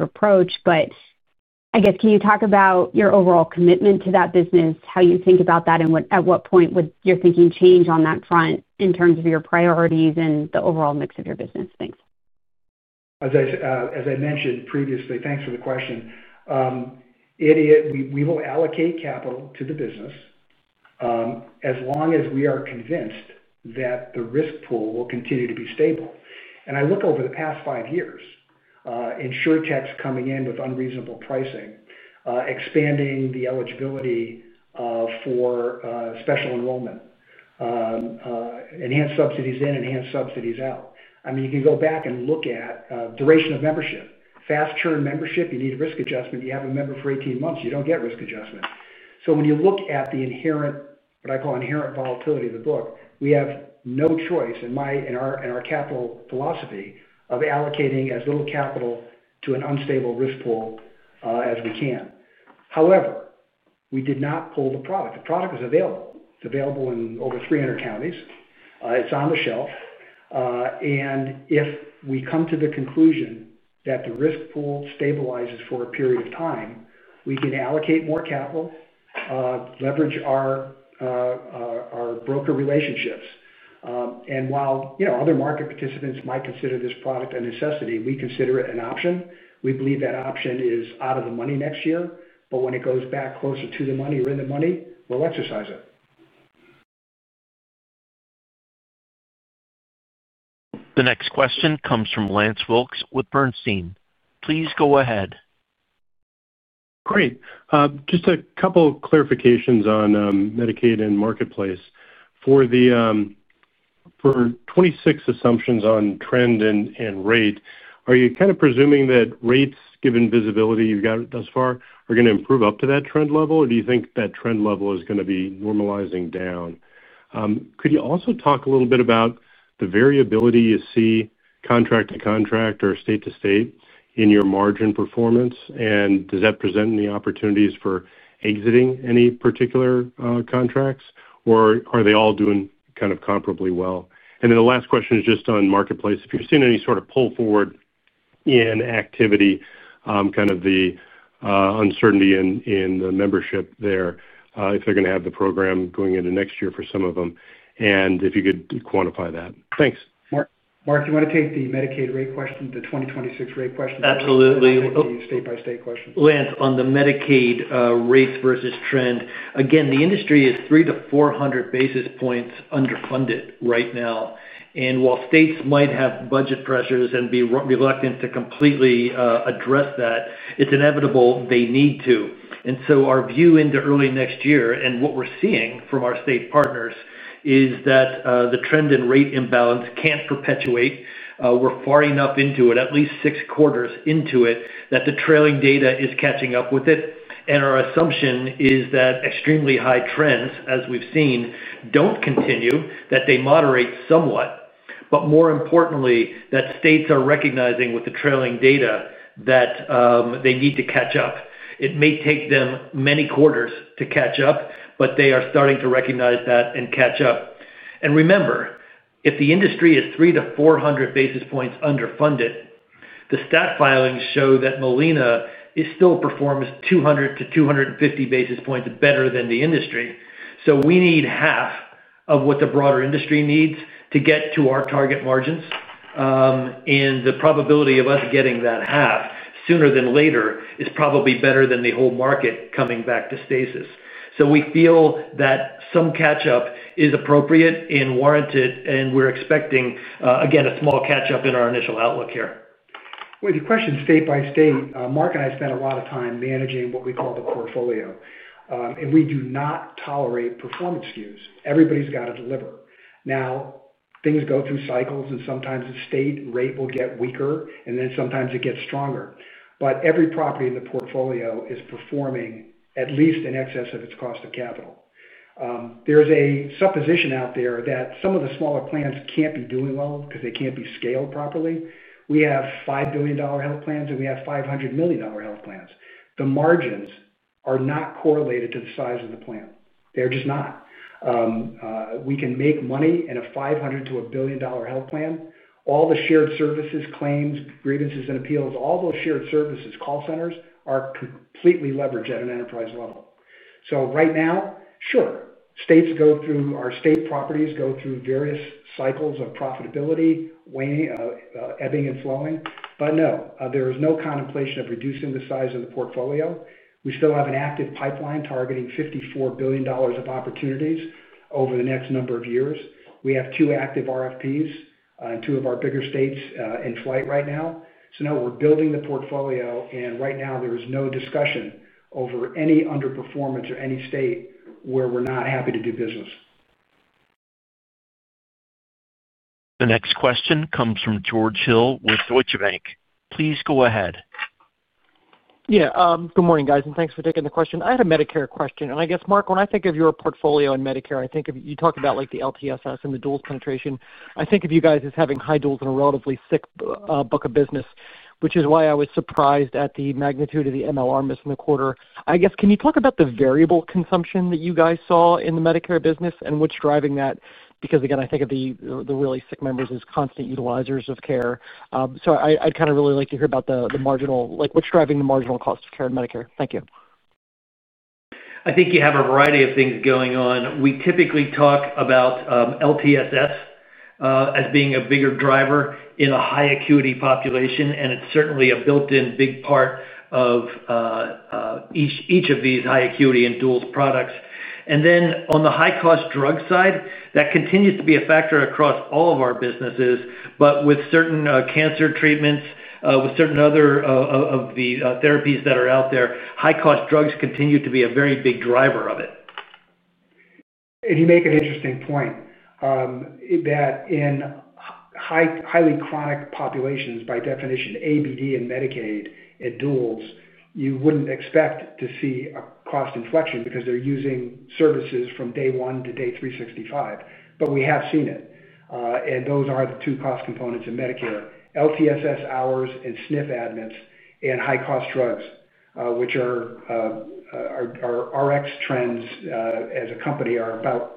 approach. I guess, can you talk about your overall commitment to that business, how you think about that, and at what point would your thinking change on that front in terms of your priorities and the overall mix of your business? Thanks. As I mentioned previously, thanks for the question. We will allocate capital to the business, as long as we are convinced that the risk pool will continue to be stable. I look over the past five years, insurtechs coming in with unreasonable pricing, expanding the eligibility for special enrollment, enhanced subsidies in, enhanced subsidies out. You can go back and look at duration of membership. Fast-churn membership, you need a risk adjustment. You have a member for 18 months, you don't get risk adjustment. When you look at what I call inherent volatility of the book, we have no choice in our capital philosophy of allocating as little capital to an unstable risk pool as we can. However, we did not pull the product. The product is available. It's available in over 300 counties. It's on the shelf. If we come to the conclusion that the risk pool stabilizes for a period of time, we can allocate more capital, leverage our broker relationships. While other market participants might consider this product a necessity, we consider it an option. We believe that option is out of the money next year, but when it goes back closer to the money or in the money, we'll exercise it. The next question comes from Lance Wilkes with Bernstein. Please go ahead. Great. Just a couple of clarifications on Medicaid and Marketplace. For the 2026 assumptions on trend and rate, are you kind of presuming that rates, given visibility you've got thus far, are going to improve up to that trend level, or do you think that trend level is going to be normalizing down? Could you also talk a little bit about the variability you see contract to contract or state to state in your margin performance, and does that present any opportunities for exiting any particular contracts, or are they all doing kind of comparably well? The last question is just on Marketplace. If you're seeing any sort of pull forward in activity, kind of the uncertainty in the membership there, if they're going to have the program going into next year for some of them, and if you could quantify that. Thanks. Mark, do you want to take the Medicaid rate question, the 2026 rate question? Absolutely. The state-by-state question? Lance, on the Medicaid, rates versus trend, again, the industry is 3%-4% or 300-400 basis points underfunded right now. While states might have budget pressures and be reluctant to completely address that, it's inevitable they need to. Our view into early next year and what we're seeing from our state partners is that the trend and rate imbalance can't perpetuate. We're far enough into it, at least six quarters into it, that the trailing data is catching up with it. Our assumption is that extremely high trends, as we've seen, don't continue, that they moderate somewhat, but more importantly, that states are recognizing with the trailing data that they need to catch up. It may take them many quarters to catch up, but they are starting to recognize that and catch up. Remember, if the industry is 3%-4% or 300-400 basis points underfunded, the stat filings show that Molina still performs 2%-2.5% or 200-250 basis points better than the industry. We need half of what the broader industry needs to get to our target margins, and the probability of us getting that half sooner than later is probably better than the whole market coming back to stasis. We feel that some catch-up is appropriate and warranted, and we're expecting, again, a small catch-up in our initial outlook here. With the question state by state, Mark and I spent a lot of time managing what we call the portfolio. We do not tolerate performance skews. Everybody's got to deliver. Things go through cycles, and sometimes the state rate will get weaker, and then sometimes it gets stronger. Every property in the portfolio is performing at least in excess of its cost of capital. There's a supposition out there that some of the smaller plans can't be doing well because they can't be scaled properly. We have $5 billion health plans, and we have $500 million health plans. The margins are not correlated to the size of the plan. They're just not. We can make money in a $500 million-$1 billion health plan. All the shared services, claims, grievances, and appeals, all those shared services, call centers are completely leveraged at an enterprise level. Right now, states go through, our state properties go through various cycles of profitability, ebbing and flowing. There is no contemplation of reducing the size of the portfolio. We still have an active pipeline targeting $54 billion of opportunities over the next number of years. We have two active RFPs in two of our bigger states in flight right now. We're building the portfolio, and right now there is no discussion over any underperformance or any state where we're not happy to do business. The next question comes from George Hill with Deutsche Bank. Please go ahead. Yeah, good morning, guys, and thanks for taking the question. I had a Medicare question, and I guess, Mark, when I think of your portfolio in Medicare, I think of you talked about, like, the LTSS and the duals penetration. I think of you guys as having high duals and a relatively sick book of business, which is why I was surprised at the magnitude of the MCR missing the quarter. I guess, can you talk about the variable consumption that you guys saw in the Medicare business and what's driving that? Because again, I think of the really sick members as constant utilizers of care. I'd kind of really like to hear about the marginal, like, what's driving the marginal cost of care in Medicare? Thank you. I think you have a variety of things going on. We typically talk about LTSS as being a bigger driver in a high-acuity population, and it's certainly a built-in big part of. Each of these high-acuity and dual products. On the high-cost drug side, that continues to be a factor across all of our businesses. With certain cancer treatments and certain other therapies that are out there, high-cost drugs continue to be a very big driver of it. You make an interesting point that in highly chronic populations, by definition, ABD and Medicaid and duals, you wouldn't expect to see a cost inflection because they're using services from day one to day 365. We have seen it. Those are the two cost components in Medicare: LTSS hours and SNF admits and high-cost drugs, which are Rx trends as a company, are about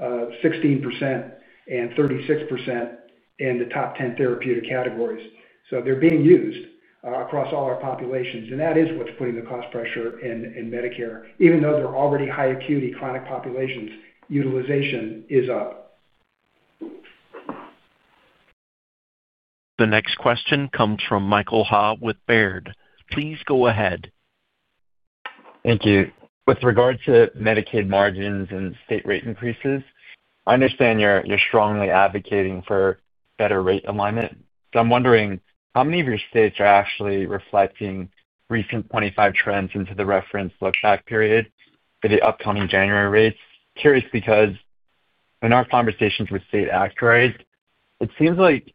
16% and 36% in the top 10 therapeutic categories. They're being used across all our populations. That is what's putting the cost pressure in Medicare. Even though they're already high-acuity chronic populations, utilization is up. The next question comes from Michael Ha with Baird. Please go ahead. Thank you. With regard to Medicaid margins and state rate increases, I understand you're strongly advocating for better rate alignment. I'm wondering, how many of your states are actually reflecting recent 2025 trends into the reference lookback period for the upcoming January rates? Curious, because in our conversations with state actuaries, it seems like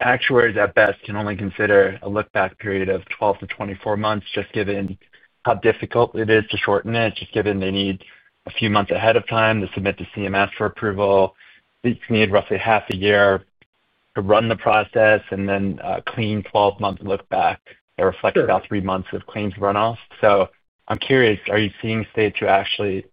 actuaries at best can only consider a lookback period of 12 to 24 months, just given how difficult it is to shorten it, just given they need a few months ahead of time to submit to CMS for approval. States need roughly half a year to run the process and then a clean 12-month lookback that reflects about three months of claims runoff. I'm curious, are you seeing states who actually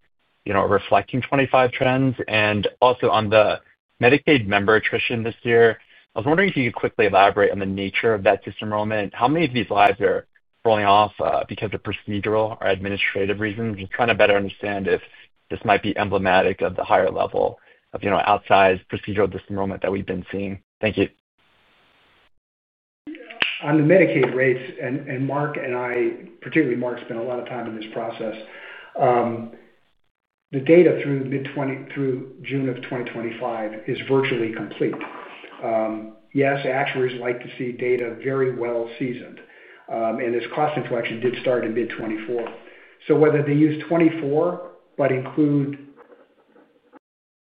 are reflecting 2025 trends? Also, on the Medicaid member attrition this year, I was wondering if you could quickly elaborate on the nature of that disenrollment. How many of these lives are falling off because of procedural or administrative reasons? Just trying to better understand if this might be emblematic of the higher level of outsized procedural disenrollment that we've been seeing. Thank you. On the Medicaid rates, and Mark and I, particularly Mark, spent a lot of time in this process, the data through June of 2025 is virtually complete. Yes, actuaries like to see data very well-seasoned. This cost inflection did start in mid 2024. Whether they use 2024 but include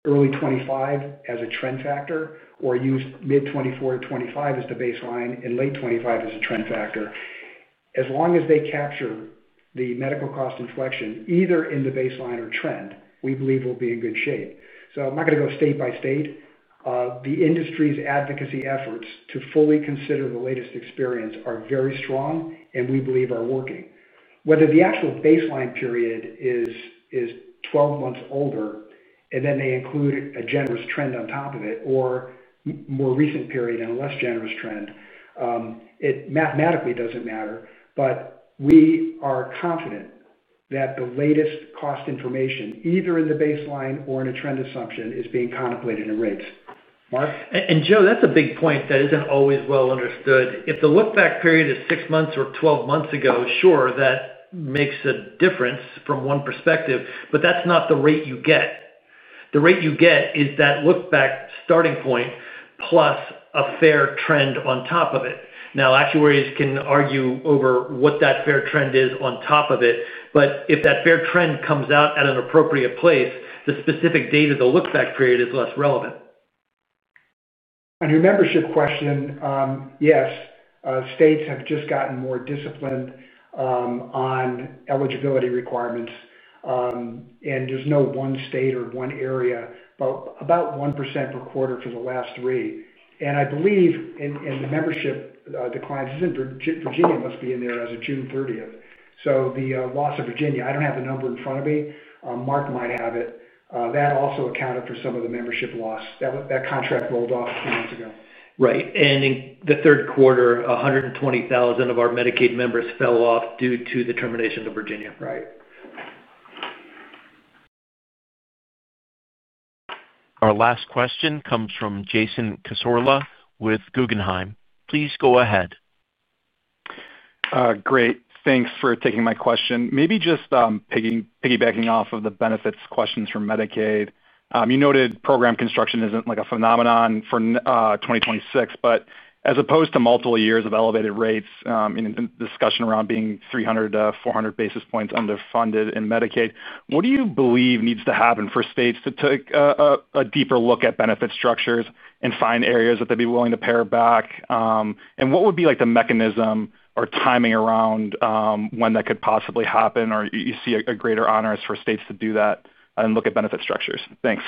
early 2025 as a trend factor or use mid 2024 to 2025 as the baseline and late 2025 as a trend factor, as long as they capture the medical cost inflection either in the baseline or trend, we believe we'll be in good shape. I'm not going to go state by state. The industry's advocacy efforts to fully consider the latest experience are very strong and we believe are working. Whether the actual baseline period is 12 months older and then they include a generous trend on top of it or a more recent period and a less generous trend, it mathematically doesn't matter. We are confident that the latest cost information, either in the baseline or in a trend assumption, is being contemplated in rates. Mark? Joe, that's a big point that isn't always well understood. If the lookback period is six months or 12 months ago, sure, that makes a difference from one perspective. That is not the rate you get. The rate you get is that lookback starting point plus a fair trend on top of it. Actuaries can argue over what that fair trend is on top of it. If that fair trend comes out at an appropriate place, the specific date of the lookback period is less relevant. On your membership question, yes, states have just gotten more disciplined on eligibility requirements. There's no one state or one area, but about 1% per quarter for the last three. I believe in the membership declines, Virginia must be in there as of June 30. The loss of Virginia, I don't have the number in front of me. Mark might have it. That also accounted for some of the membership loss. That contract rolled off a few months ago. Right. In the third quarter, 120,000 of our Medicaid members fell off due to the termination of Virginia. Right. Our last question comes from Jason Cassorla with Guggenheim. Please go ahead. Great. Thanks for taking my question. Maybe just piggybacking off of the benefits questions from Medicaid, you noted program construction isn't like a phenomenon for 2026. As opposed to multiple years of elevated rates and discussion around being 300-400 bps underfunded in Medicaid, what do you believe needs to happen for states to take a deeper look at benefit structures and find areas that they'd be willing to pare back? What would be the mechanism or timing around when that could possibly happen? Do you see a greater onus for states to do that and look at benefit structures? Thanks.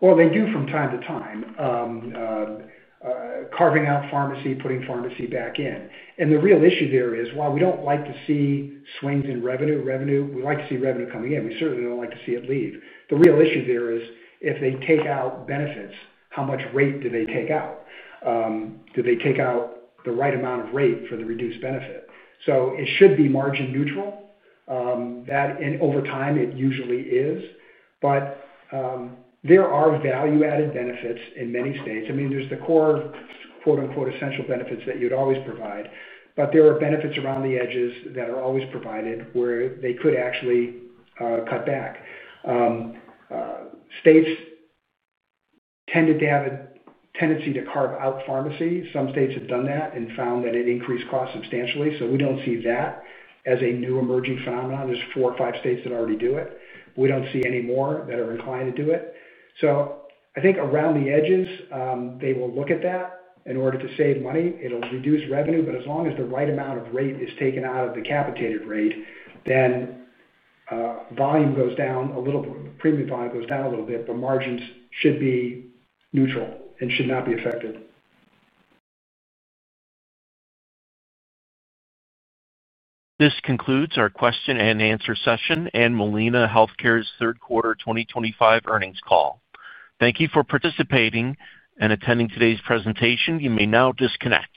They do from time to time, carving out pharmacy, putting pharmacy back in. The real issue there is, while we don't like to see swings in revenue, we like to see revenue coming in. We certainly don't like to see it leave. The real issue there is, if they take out benefits, how much rate do they take out? Do they take out the right amount of rate for the reduced benefit? It should be margin neutral, and over time, it usually is. There are value-added benefits in many states. I mean, there's the core "essential benefits" that you'd always provide, but there are benefits around the edges that are always provided where they could actually cut back. States tended to have a tendency to carve out pharmacy. Some states have done that and found that it increased costs substantially. We don't see that as a new emerging phenomenon. There are four or five states that already do it. We don't see any more that are inclined to do it. I think around the edges, they will look at that in order to save money. It'll reduce revenue, but as long as the right amount of rate is taken out of the capitated rate, then volume goes down a little, premium volume goes down a little bit, but margins should be neutral and should not be affected. This concludes our question and answer session and Molina Healthcare's third quarter 2025 earnings call. Thank you for participating and attending today's presentation. You may now disconnect.